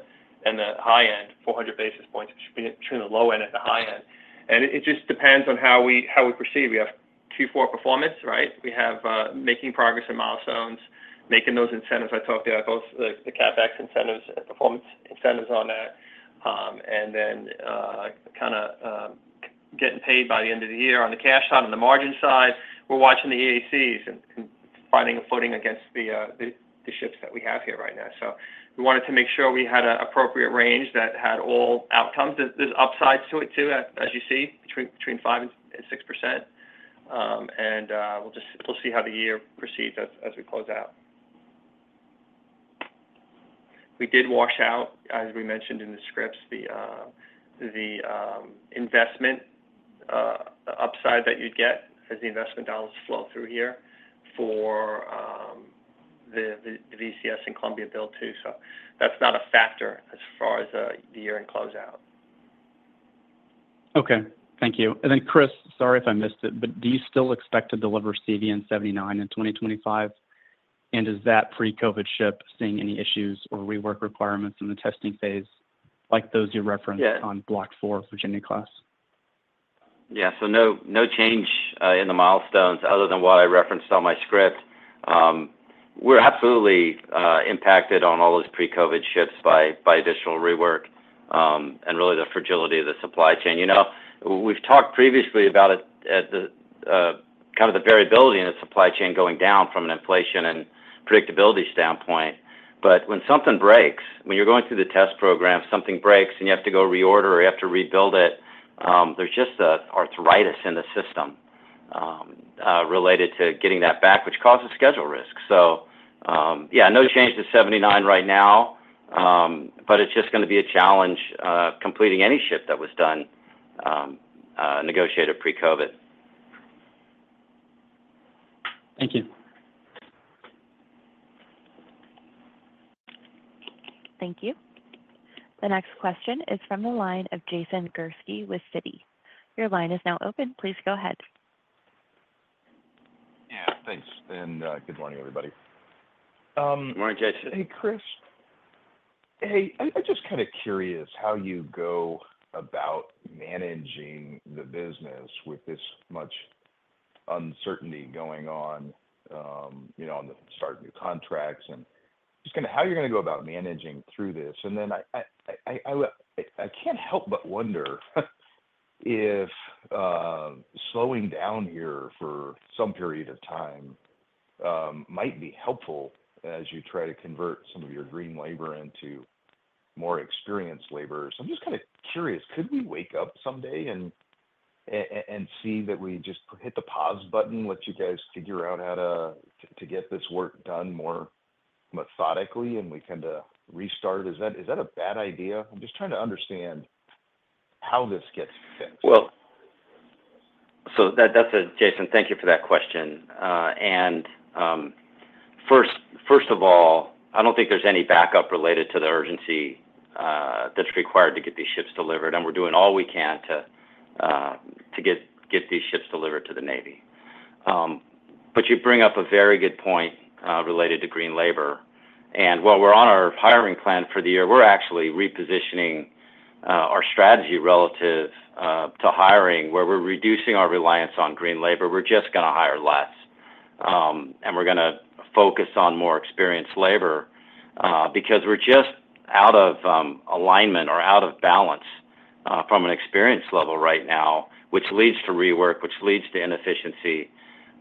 high end, 400 basis points between the low end and the high end. It just depends on how we perceive. We have Q4 performance, right? We have making progress in milestones, making those incentives I talked about, both the CapEx incentives and performance incentives on that. And then kind of getting paid by the end of the year on the cash side and the margin side. We're watching the EACs and finding a footing against the ships that we have here right now. So we wanted to make sure we had an appropriate range that had all outcomes. There's upside to it too, as you see, between 5% and 6% and we'll see how the year proceeds as we close out. We did wash out, as we mentioned in the scripts, the investment upside that you'd get as the investment dollars flow through here for the VCS and Columbia Build too. So that's not a factor as far as the year-end closeout. Okay. Thank you. And then Chris, sorry if I missed it, but do you still expect to deliver CVN 79 in 2025? And is that pre-COVID ship seeing any issues or rework requirements in the testing phase like those you referenced on Block IV Virginia-class? Yeah. So no change in the milestones other than what I referenced on my script. We're absolutely impacted on all those pre-COVID ships by additional rework and really the fragility of the supply chain. We've talked previously about kind of the variability in the supply chain going down from an inflation and predictability standpoint. But when something breaks, when you're going through the test program, something breaks and you have to go reorder or you have to rebuild it, there's just an arthritis in the system related to getting that back, which causes schedule risk. So yeah, no change to 79 right now, but it's just going to be a challenge completing any ship that was done negotiated pre-COVID. Thank you. Thank you. The next question is from the line of Jason Gursky with Citi. Your line is now open. Please go ahead. Yeah. Thanks, and good morning, everybody. Good morning, Jason. Hey, Chris. Hey. I'm just kind of curious how you go about managing the business with this much uncertainty going on on the start of new contracts and just kind of how you're going to go about managing through this. Then I can't help but wonder if slowing down here for some period of time might be helpful as you try to convert some of your green labor into more experienced laborers. I'm just kind of curious. Could we wake up someday and see that we just hit the pause button, let you guys figure out how to get this work done more methodically and we kind of restart? Is that a bad idea? I'm just trying to understand how this gets fixed. Well, so Jason, thank you for that question. And first of all, I don't think there's any backup related to the urgency that's required to get these ships delivered. And we're doing all we can to get these ships delivered to the Navy. But you bring up a very good point related to green labor. While we're on our hiring plan for the year, we're actually repositioning our strategy relative to hiring where we're reducing our reliance on green labor. We're just going to hire less. We're going to focus on more experienced labor because we're just out of alignment or out of balance from an experience level right now, which leads to rework, which leads to inefficiency.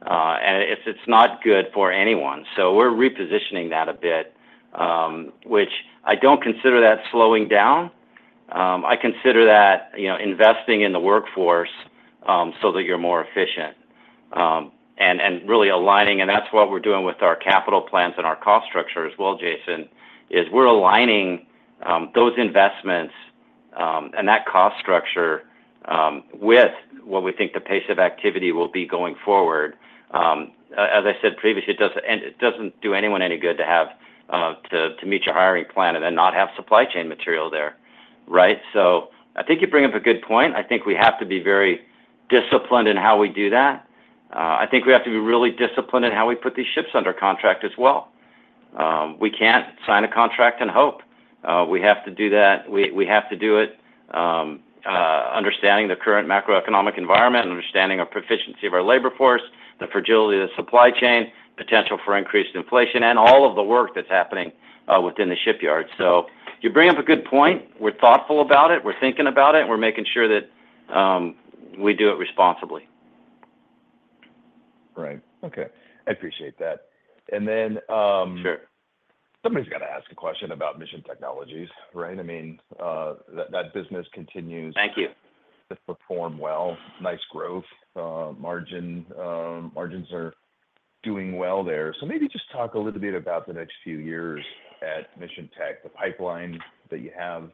It's not good for anyone. We're repositioning that a bit, which I don't consider that slowing down. I consider that investing in the workforce so that you're more efficient and really aligning. That's what we're doing with our capital plans and our cost structure as well, Jason, is we're aligning those investments and that cost structure with what we think the pace of activity will be going forward. As I said previously, it doesn't do anyone any good to meet your hiring plan and then not have supply chain material there, right? So I think you bring up a good point. I think we have to be very disciplined in how we do that. I think we have to be really disciplined in how we put these ships under contract as well. We can't sign a contract and hope. We have to do that. We have to do it understanding the current macroeconomic environment, understanding our proficiency of our labor force, the fragility of the supply chain, potential for increased inflation, and all of the work that's happening within the shipyard. So you bring up a good point. We're thoughtful about it. We're thinking about it. And we're making sure that we do it responsibly. Right. Okay. I appreciate that. Somebody's got to ask a question about Mission Technologies, right? I mean, that business continues to perform well. Nice growth. Margins are doing well there. Maybe just talk a little bit about the next few years at Mission Technologies, the pipeline that you have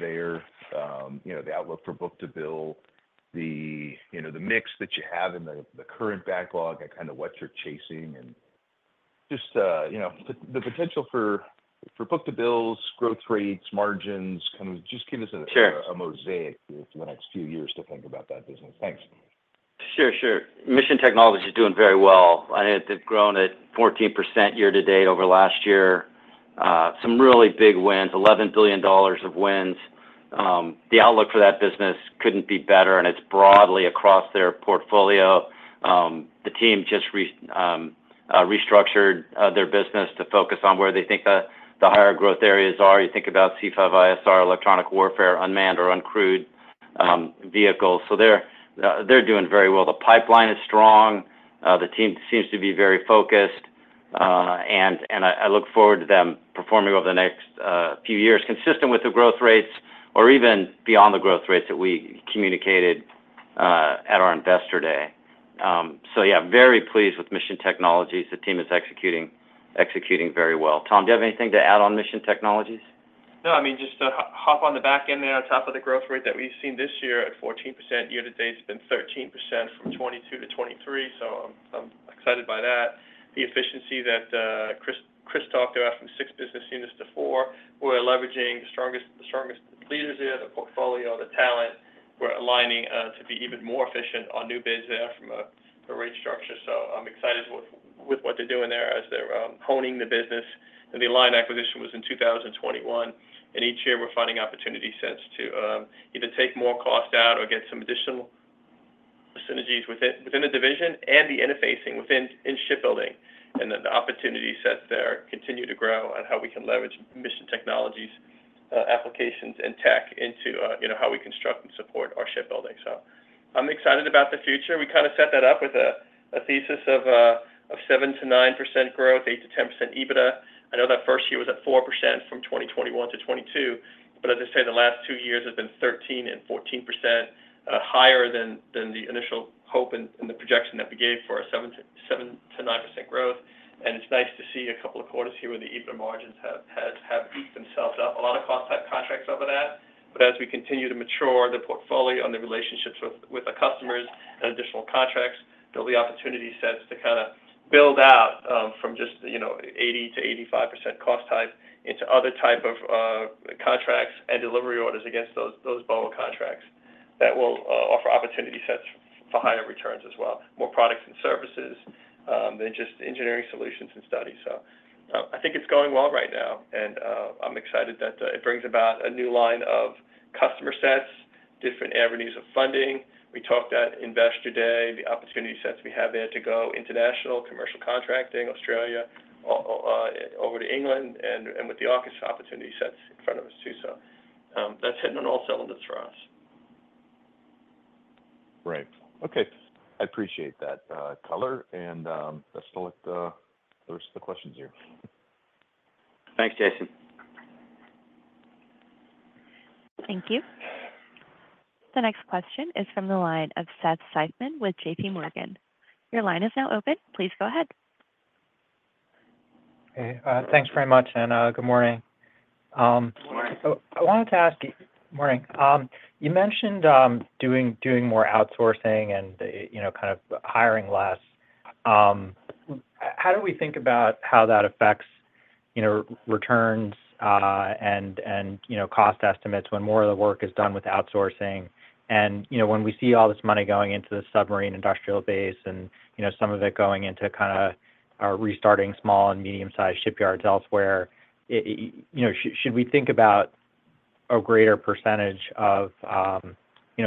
there, the outlook for book-to-bill, the mix that you have in the current backlog, and kind of what you're chasing, and just the potential for book-to-bills, growth rates, margins, kind of just give us a mosaic for the next few years to think about that business. Thanks. Sure. Sure. Mission Technologies is doing very well. I think they've grown at 14% year-to-date over last year. Some really big wins, $11 billion of wins. The outlook for that business couldn't be better, and it's broadly across their portfolio. The team just restructured their business to focus on where they think the higher growth areas are. You think about C5ISR, electronic warfare, unmanned or uncrewed vehicles. So they're doing very well. The pipeline is strong. The team seems to be very focused, and I look forward to them performing over the next few years, consistent with the growth rates or even beyond the growth rates that we communicated at our investor day. So yeah, very pleased with Mission Technologies. The team is executing very well. Tom, do you have anything to add on Mission Technologies? No. I mean, just to hop on the back end there on top of the growth rate that we've seen this year at 14% year-to-date, it's been 13% from 2022 to 2023. So I'm excited by that. The efficiency that Chris talked about from six business units to four, we're leveraging the strongest leaders there in the portfolio, the talent. We're aligning to be even more efficient on new bids there from a rate structure. So I'm excited with what they're doing there as they're honing the business. And the line acquisition was in 2021. And each year, we're finding opportunity sets to either take more cost out or get some additional synergies within the division and the interfacing within shipbuilding. And then the opportunity sets there continue to grow on how we can leverage Mission Technologies applications and tech into how we construct and support our Shipbuilding. So I'm excited about the future. We kind of set that up with a thesis of 7%-9% growth, 8%-10% EBITDA. I know that first year was at 4% from 2021 to 2022. But as I say, the last two years have been 13% and 14% higher than the initial hope and the projection that we gave for a 7%-9% growth. And it's nice to see a couple of quarters here where the EBITDA margins have themselves up. A lot of cost-type contracts over that. But as we continue to mature the portfolio and the relationships with the customers and additional contracts, there'll be opportunity sets to kind of build out from just 80%-85% cost type into other type of contracts and delivery orders against those BOA contracts that will offer opportunity sets for higher returns as well, more products and services than just engineering solutions and studies. So I think it's going well right now. And I'm excited that it brings about a new line of customer sets, different avenues of funding. We talked at Investor Day, the opportunity sets we have there to go international, commercial contracting, Australia over to England, and with the AUKUS opportunity sets in front of us too. So that's hitting on all cylinders for us. Right. Okay. I appreciate that color. And I'll just delete the rest of the questions here. Thanks, Jason. Thank you. The next question is from the line of Seth Seifman with JPMorgan. Your line is now open. Please go ahead. Hey. Thanks very much. And good morning. Good morning. I wanted to ask you. You mentioned doing more outsourcing and kind of hiring less. How do we think about how that affects returns and cost estimates when more of the work is done with outsourcing? When we see all this money going into the submarine industrial base and some of it going into kind of restarting small and medium-sized shipyards elsewhere, should we think about a greater percentage of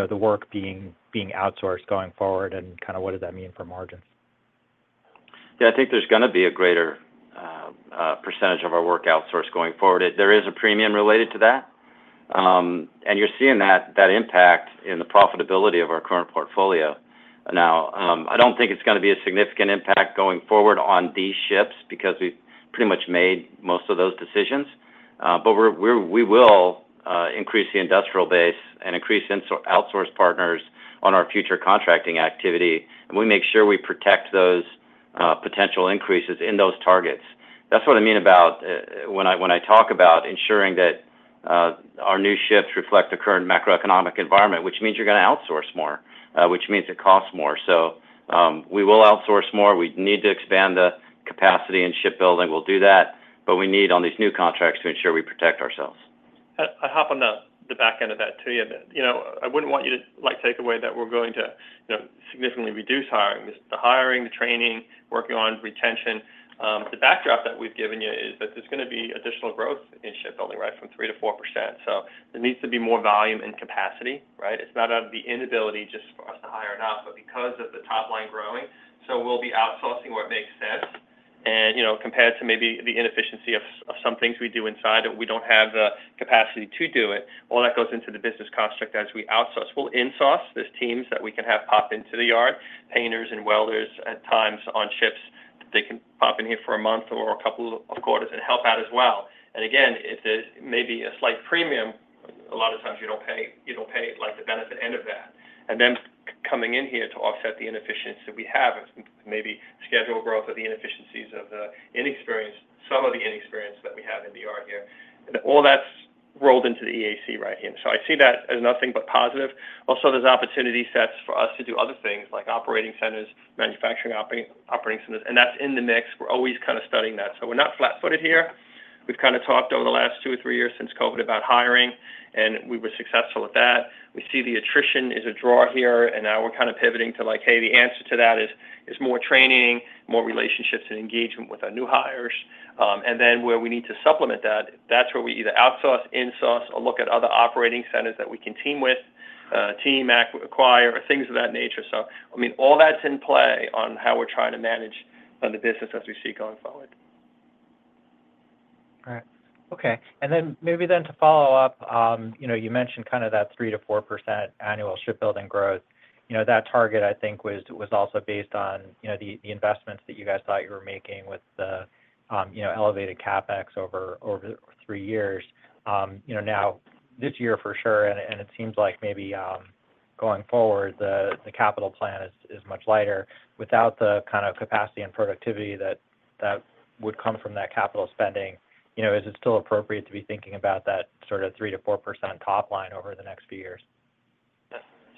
the work being outsourced going forward? And kind of what does that mean for margins? Yeah. I think there's going to be a greater percentage of our work outsourced going forward. There is a premium related to that and you're seeing that impact in the profitability of our current portfolio. Now, I don't think it's going to be a significant impact going forward on these ships because we've pretty much made most of those decisions. But we will increase the industrial base and increase outsourced partners on our future contracting activity and we make sure we protect those potential increases in those targets. That's what I mean about when I talk about ensuring that our new ships reflect the current macroeconomic environment, which means you're going to outsource more, which means it costs more. So we will outsource more. We need to expand the capacity in shipbuilding. We'll do that. But we need, on these new contracts, to ensure we protect ourselves. I hop on the back end of that too. I wouldn't want you to take away that we're going to significantly reduce hiring, the hiring, the training, working on retention. The backdrop that we've given you is that there's going to be additional growth in shipbuilding, right, from 3%-4%. So there needs to be more volume and capacity, right? It's not out of the inability just for us to hire enough, but because of the top line growing. So we'll be outsourcing what makes sense. Compared to maybe the inefficiency of some things we do inside and we don't have the capacity to do it, all that goes into the business construct as we outsource. We'll insource those teams that we can have pop into the yard, painters and welders at times on ships that they can pop in here for a month or a couple of quarters and help out as well. Again, if there's maybe a slight premium, a lot of times you don't pay the benefit end of that and then coming in here to offset the inefficiency we have, maybe schedule growth of the inefficiencies of the inexperience, some of the inexperience that we have in the yard here. And all that's rolled into the EAC right here. So I see that as nothing but positive. Also, there's opportunity sets for us to do other things like operating centers, manufacturing operating centers and that's in the mix. We're always kind of studying that. So we're not flat-footed here. We've kind of talked over the last two or three years since COVID about hiring and we were successful at that. We see the attrition is a draw here. Now we're kind of pivoting to like, "Hey, the answer to that is more training, more relationships, and engagement with our new hires." Then where we need to supplement that, that's where we either outsource, insource, or look at other operating centers that we can team with, team acquire, or things of that nature. So I mean, all that's in play on how we're trying to manage the business as we see going forward. Right. Okay and then maybe to follow up, you mentioned kind of that 3%-4% annual shipbuilding growth. That target, I think, was also based on the investments that you guys thought you were making with the elevated CapEx over three years. Now, this year for sure, and it seems like maybe going forward, the capital plan is much lighter. Without the kind of capacity and productivity that would come from that capital spending, is it still appropriate to be thinking about that sort of 3%-4% top line over the next few years?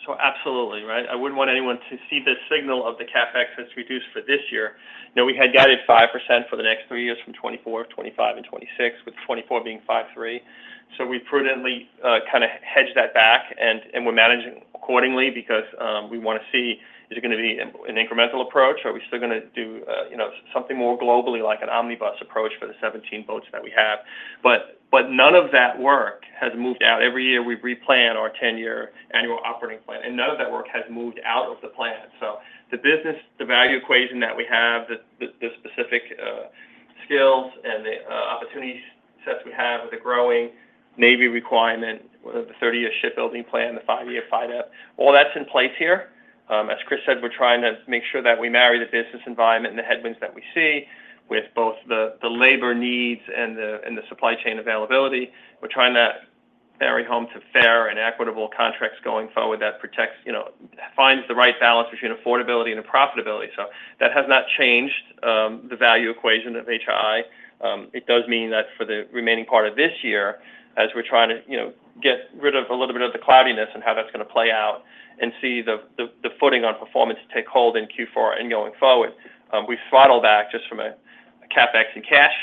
So absolutely, right? I wouldn't want anyone to see the signal of the CapEx has reduced for this year. We had guided 5% for the next three years from 2024, 2025, and 2026, with 2024 being 5.3%. So we prudently kind of hedge that back. And we're managing accordingly because we want to see, is it going to be an incremental approach? Are we still going to do something more globally, like an omnibus approach for the 17 boats that we have? But none of that work has moved out. Every year, we replan our 10-year annual operating plan. And none of that work has moved out of the plan. So the business, the value equation that we have, the specific skills and the opportunities sets we have with the growing Navy requirement, the 30-year shipbuilding plan, the five-year FYDP, all that's in place here. As Chris said, we're trying to make sure that we marry the business environment and the headwinds that we see with both the labor needs and the supply chain availability. We're trying to marry home to fair and equitable contracts going forward that finds the right balance between affordability and profitability. So that has not changed the value equation of HII. It does mean that for the remaining part of this year, as we're trying to get rid of a little bit of the cloudiness and how that's going to play out and see the footing on performance take hold in Q4 and going forward, we've throttled back just from a CapEx and cash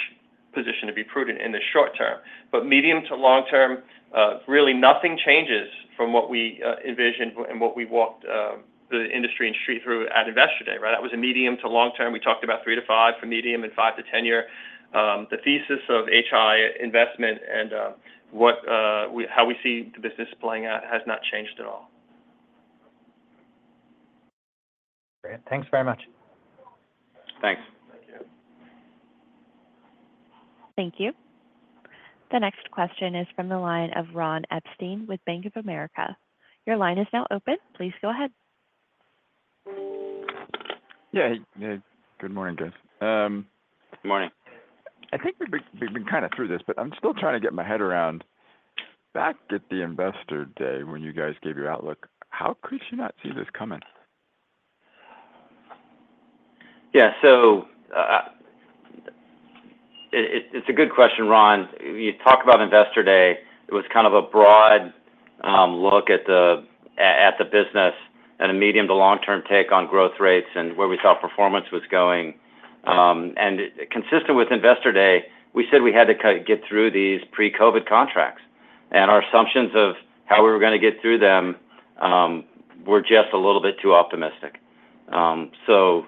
position to be prudent in the short term. But medium to long term, really nothing changes from what we envisioned and what we walked the industry and street through at Investor Day, right? That was a medium to long term. We talked about three to five for medium and five to 10 year. The thesis of HII investment and how we see the business playing out has not changed at all. Great. Thanks very much. Thanks. Thank you. Thank you. The next question is from the line of Ron Epstein with Bank of America. Your line is now open. Please go ahead. Yeah. Good morning, guys. Good morning. I think we've been kind of through this, but I'm still trying to get my head around back at the Investor Day when you guys gave your outlook. How could you not see this coming? Yeah. So it's a good question, Ron. You talk about Investor Day. It was kind of a broad look at the business and a medium to long-term take on growth rates and where we thought performance was going. Consistent with Investor Day, we said we had to get through these pre-COVID contracts. Our assumptions of how we were going to get through them were just a little bit too optimistic. So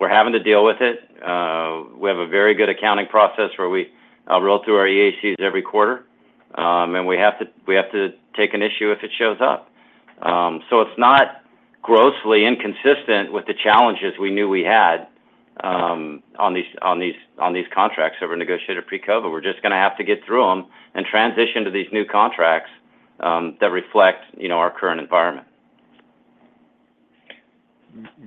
we're having to deal with it. We have a very good accounting process where we roll through our EACs every quarter and we have to take an issue if it shows up. So it's not grossly inconsistent with the challenges we knew we had on these contracts that were negotiated pre-COVID. We're just going to have to get through them and transition to these new contracts that reflect our current environment.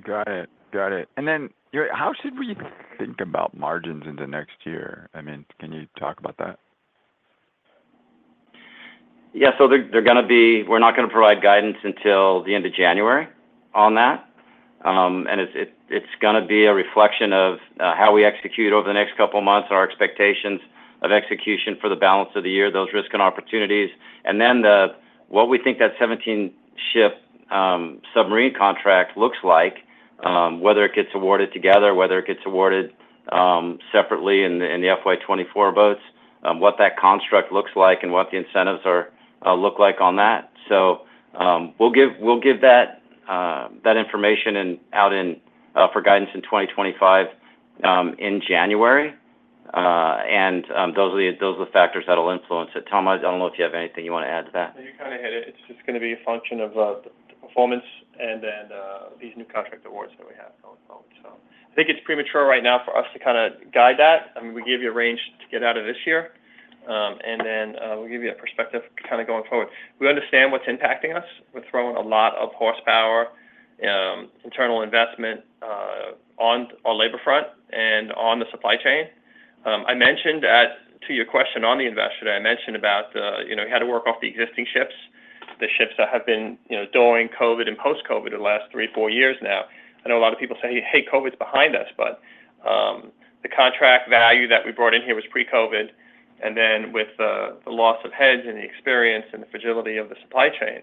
Got it. Got it. Then how should we think about margins in the next year? I mean, can you talk about that? Yeah. So they're going to be. We're not going to provide guidance until the end of January on that. And it's going to be a reflection of how we execute over the next couple of months, our expectations of execution for the balance of the year, those risks and opportunities. And then what we think that 17-ship submarine contract looks like, whether it gets awarded together, whether it gets awarded separately in the FY 2024 boats, what that construct looks like and what the incentives look like on that. So we'll give that information out for guidance in 2025 in January. And those are the factors that will influence it. Thomas, I don't know if you have anything you want to add to that. You kind of hit it. It's just going to be a function of the performance and then these new contract awards that we have going forward. So I think it's premature right now for us to kind of guide that. I mean, we give you a range to get out of this year, and then we'll give you a perspective kind of going forward. We understand what's impacting us. We're throwing a lot of horsepower, internal investment on our labor front and on the supply chain. I mentioned to your question on the Investor Day, I mentioned about how to work off the existing ships, the ships that have been during COVID and post-COVID the last three, four years now. I know a lot of people say, "Hey, COVID's behind us," but the contract value that we brought in here was pre-COVID. Then with the loss of heads and the experience and the fragility of the supply chain,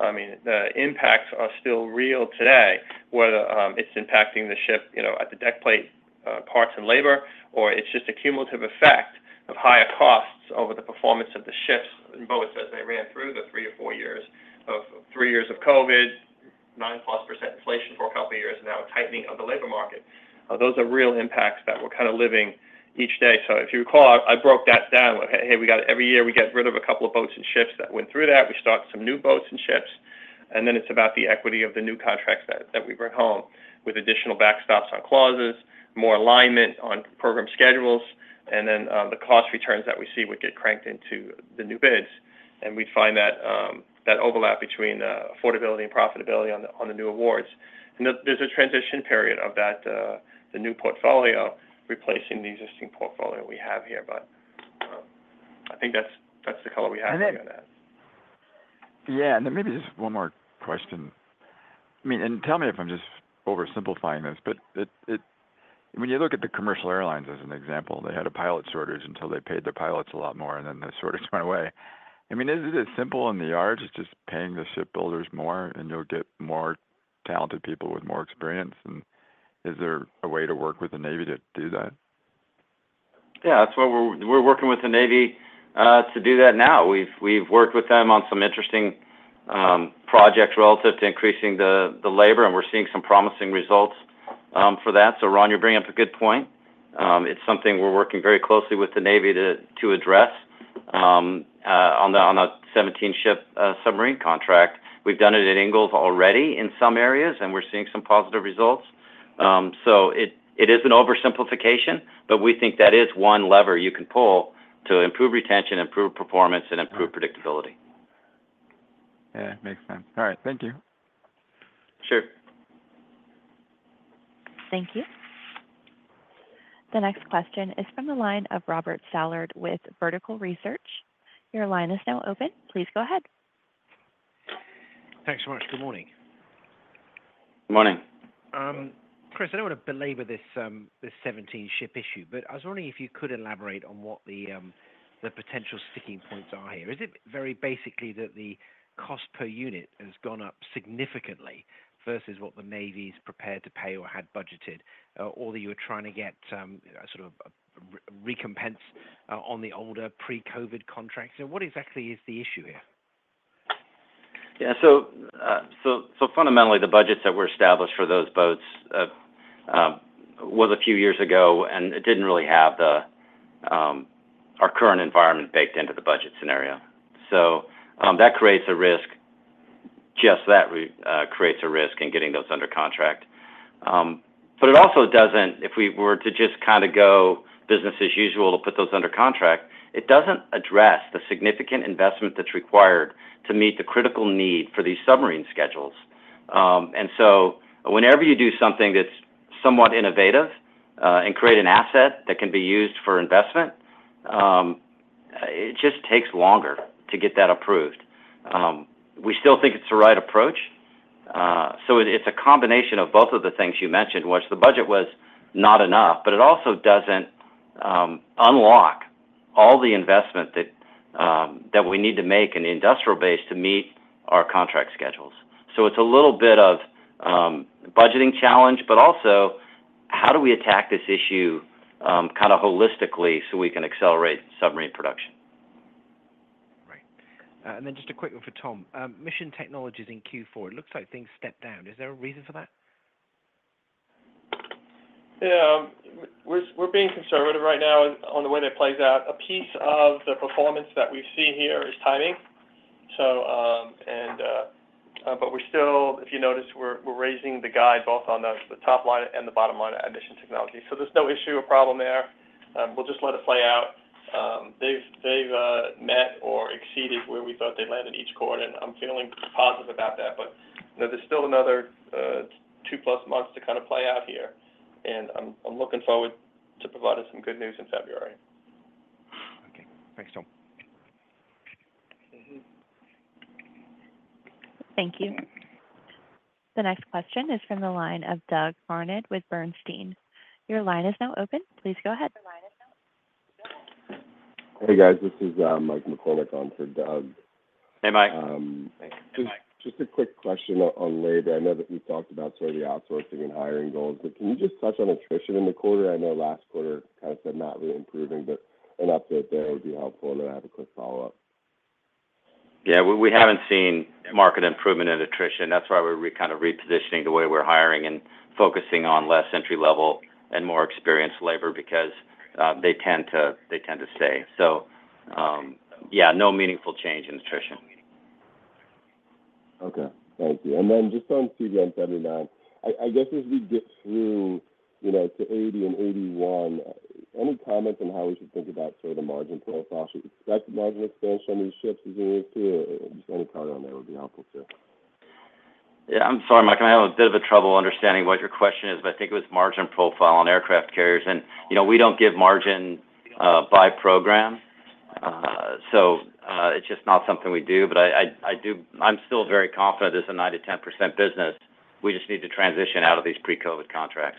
I mean, the impacts are still real today, whether it's impacting the ship at the deck plate, parts, and labor, or it's just a cumulative effect of higher costs over the performance of the ships and boats as they ran through the three or four years of COVID, 9%+ inflation for a couple of years, and now a tightening of the labor market. Those are real impacts that we're kind of living each day. If you recall, I broke that down. Hey, every year we get rid of a couple of boats and ships that went through that. We start some new boats and ships. Then it's about the equity of the new contracts that we bring home with additional backstops on clauses, more alignment on program schedules. Then the cost returns that we see would get cranked into the new bids and we'd find that overlap between affordability and profitability on the new awards. There's a transition period of that, the new portfolio replacing the existing portfolio we have here. But I think that's the color we have to go that. Yeah. And then maybe just one more question. I mean, and tell me if I'm just oversimplifying this. But when you look at the commercial airlines as an example, they had a pilot shortage until they paid the pilots a lot more, and then the shortage went away. I mean, is it as simple in the yard as just paying the shipbuilders more, and you'll get more talented people with more experience, and is there a way to work with the Navy to do that? Yeah. We're working with the Navy to do that now. We've worked with them on some interesting projects relative to increasing the labor, and we're seeing some promising results for that, so Ron, you're bringing up a good point. It's something we're working very closely with the Navy to address on the 17-ship submarine contract. We've done it at Ingalls already in some areas, and we're seeing some positive results, so it is an oversimplification, but we think that is one lever you can pull to improve retention, improve performance, and improve predictability. Yeah. Makes sense. All right. Thank you. Sure. Thank you. The next question is from the line of Robert Stallard with Vertical Research. Your line is now open. Please go ahead. Thanks so much. Good morning. Good morning. Chris, I don't want to belabor this 17-ship issue, but I was wondering if you could elaborate on what the potential sticking points are here. Is it very basically that the cost per unit has gone up significantly versus what the Navy's prepared to pay or had budgeted, or that you were trying to get sort of a recompense on the older pre-COVID contracts? What exactly is the issue here? Yeah. So fundamentally, the budgets that were established for those boats was a few years ago, and it didn't really have our current environment baked into the budget scenario. So that creates a risk. Just that creates a risk in getting those under contract. But it also doesn't, if we were to just kind of go business as usual to put those under contract, it doesn't address the significant investment that's required to meet the critical need for these submarine schedules. And so whenever you do something that's somewhat innovative and create an asset that can be used for investment, it just takes longer to get that approved. We still think it's the right approach. So it's a combination of both of the things you mentioned, which the budget was not enough, but it also doesn't unlock all the investment that we need to make in the industrial base to meet our contract schedules. So it's a little bit of budgeting challenge, but also how do we attack this issue kind of holistically so we can accelerate submarine production? Right. And then just a quick one for Tom. Mission Technologies in Q4, it looks like things stepped down. Is there a reason for that? Yeah. We're being conservative right now on the way that plays out. A piece of the performance that we see here is timing. But we're still, if you notice, we're raising the guide both on the top line and the bottom line Mission Technologies. So there's no issue or problem there. We'll just let it play out. They've met or exceeded where we thought they landed each quarter. And I'm feeling positive about that. But there's still another two-plus months to kind of play out here. And I'm looking forward to providing some good news in February. Okay. Thanks, Tom. Thank you. The next question is from the line of Doug Harned with Bernstein. Your line is now open. Please go ahead. Hey, guys. This is Mike McCormick on for Doug. Hey, Mike. Just a quick question on labor. I know that we talked about sort of the outsourcing and hiring goals. But can you just touch on attrition in the quarter? I know last quarter kind of said not really improving, but an update there would be helpful. And then I have a quick follow-up. Yeah. We haven't seen market improvement in attrition. That's why we're kind of repositioning the way we're hiring and focusing on less entry-level and more experienced labor because they tend to stay. So yeah, no meaningful change in attrition. Okay. Thank you. Then just on CVN 79, I guess as we get through to 80 and 81, any comments on how we should think about sort of the margin profile? Should we expect margin expansion on these ships as we move through, or just any color on there would be helpful too? Yeah. I'm sorry, Mike. I'm having a bit of a trouble understanding what your question is, but I think it was margin profile on aircraft carriers. And we don't give margin by program. So it's just not something we do. But I'm still very confident it's a 9-10% business. We just need to transition out of these pre-COVID contracts.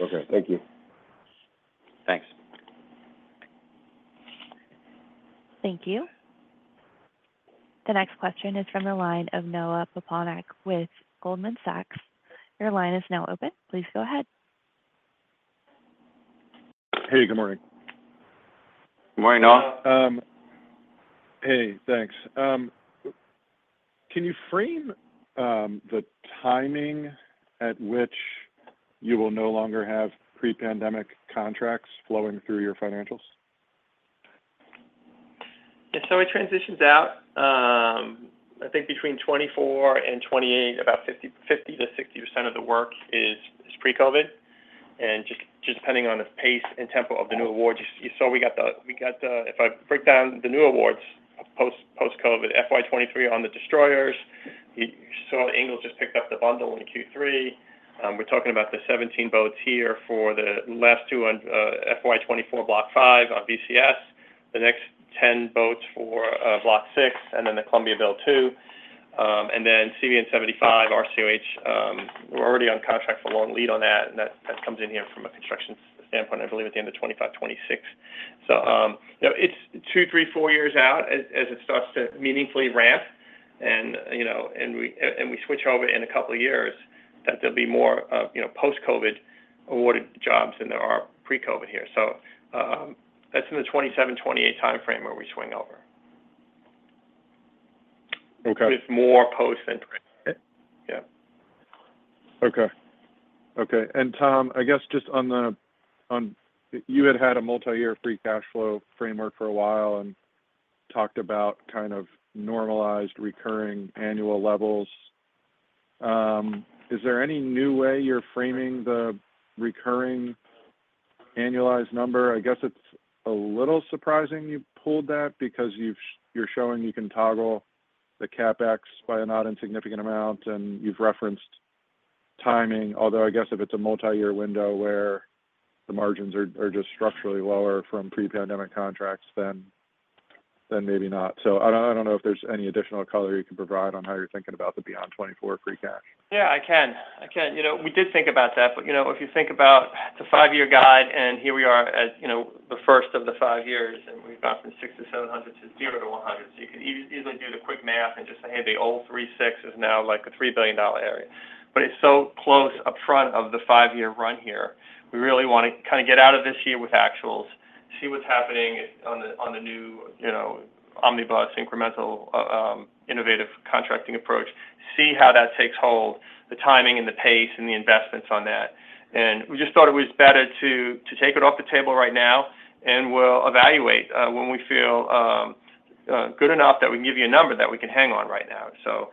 Okay. Thank you. Thanks. Thank you. The next question is from the line of Noah Poponak with Goldman Sachs. Your line is now open. Please go ahead. Hey. Good morning. Good morning, Noah. Hey. Thanks. Can you frame the timing at which you will no longer have pre-pandemic contracts flowing through your financials? Yeah. So it transitions out. I think between 2024 and 2028, about 50%-60% of the work is pre-COVID. Just depending on the pace and tempo of the new awards, you saw, if I break down the new awards post-COVID, FY 2023 on the destroyers, you saw Ingalls just picked up the bundle in Q3. We're talking about the 17 boats here for the last two FY 2024 Block V on VCS, the next 10 boats for Block VI, and then the Columbia Build II, and then CVN-75 RCOH, we're already on contract for long lead on that, and that comes in here from a construction standpoint, I believe, at the end of 2025, 2026. So it's two, three, four years out as it starts to meaningfully ramp, and we switch over in a couple of years, that there'll be more post-COVID awarded jobs than there are pre-COVID here. So that's in the 2027, 2028 timeframe where we swing over with more post-than. Yeah. Okay. Okay. Tom, I guess just on the you had had a multi-year free cash flow framework for a while and talked about kind of normalized recurring annual levels. Is there any new way you're framing the recurring annualized number? I guess it's a little surprising you pulled that because you're showing you can toggle the CapEx by a not insignificant amount. And you've referenced timing, although I guess if it's a multi-year window where the margins are just structurally lower from pre-pandemic contracts, then maybe not. So I don't know if there's any additional color you can provide on how you're thinking about the beyond 2024 free cash. Yeah. I can. We did think about that, but if you think about the five-year guide, and here we are at the first of the five years, and we've gone from 6 to 700 to 0 to 100. You can easily do the quick math and just say, "Hey, the old 36 is now like a $3 billion area." But it's so close up front of the five-year run here. We really want to kind of get out of this year with actuals, see what's happening on the new omnibus, incremental, innovative contracting approach, see how that takes hold, the timing and the pace and the investments on that. We just thought it was better to take it off the table right now, and we'll evaluate when we feel good enough that we can give you a number that we can hang on right now.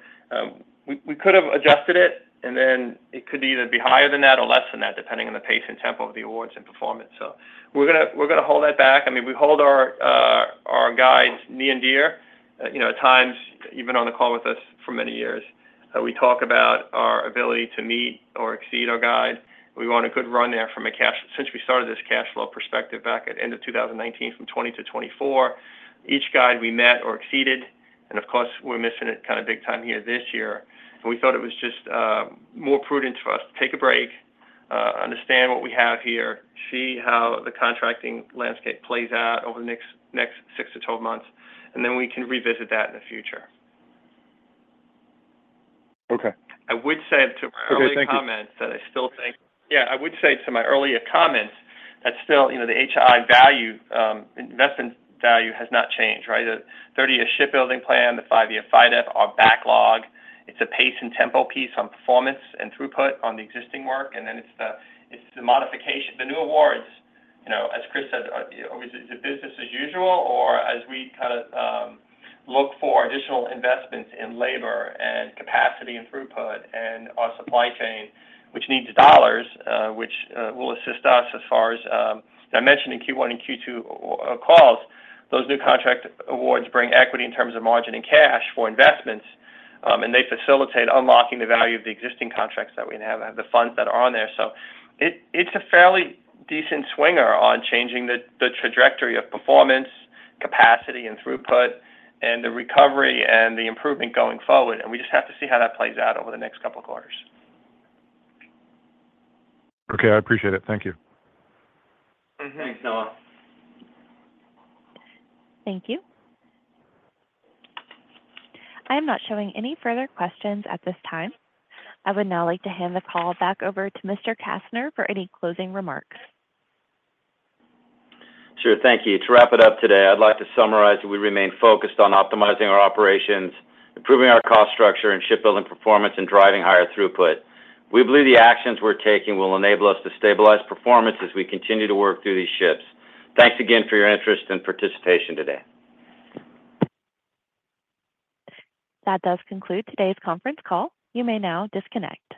We could have adjusted it, and then it could either be higher than that or less than that, depending on the pace and tempo of the awards and performance. We're going to hold that back. I mean, we hold our guides near and dear. At times, you've been on the call with us for many years. We talk about our ability to meet or exceed our guide. We were on a good run there from a cash since we started this cash flow perspective back at the end of 2019 from 2020 to 2024. Each guide we met or exceeded. Of course, we're missing it kind of big time here this year. We thought it was just more prudent for us to take a break, understand what we have here, see how the contracting landscape plays out over the next six to 12 months. Then we can revisit that in the future. I would say to my earlier comments that still the HII value, investment value has not changed, right? The 30-year shipbuilding plan, the five-year FYDP are backlog. It's a pace and tempo piece on performance and throughput on the existing work and then it's the modification. The new awards, as Chris said, is it business as usual or as we kind of look for additional investments in labor and capacity and throughput and our supply chain, which needs dollars, which will assist us as far as I mentioned in Q1 and Q2 calls, those new contract awards bring equity in terms of margin and cash for investments. They facilitate unlocking the value of the existing contracts that we have and the funds that are on there. So it's a fairly decent swinger on changing the trajectory of performance, capacity, and throughput, and the recovery and the improvement going forward. We just have to see how that plays out over the next couple of quarters. Okay. I appreciate it. Thank you. Thanks, Noah. Thank you. I am not showing any further questions at this time. I would now like to hand the call back over to Mr. Kastner for any closing remarks. Sure. Thank you. To wrap it up today, I'd like to summarize that we remain focused on optimizing our operations, improving our cost structure, and shipbuilding performance and driving higher throughput. We believe the actions we're taking will enable us to stabilize performance as we continue to work through these ships. Thanks again for your interest and participation today. That does conclude today's conference call. You may now disconnect.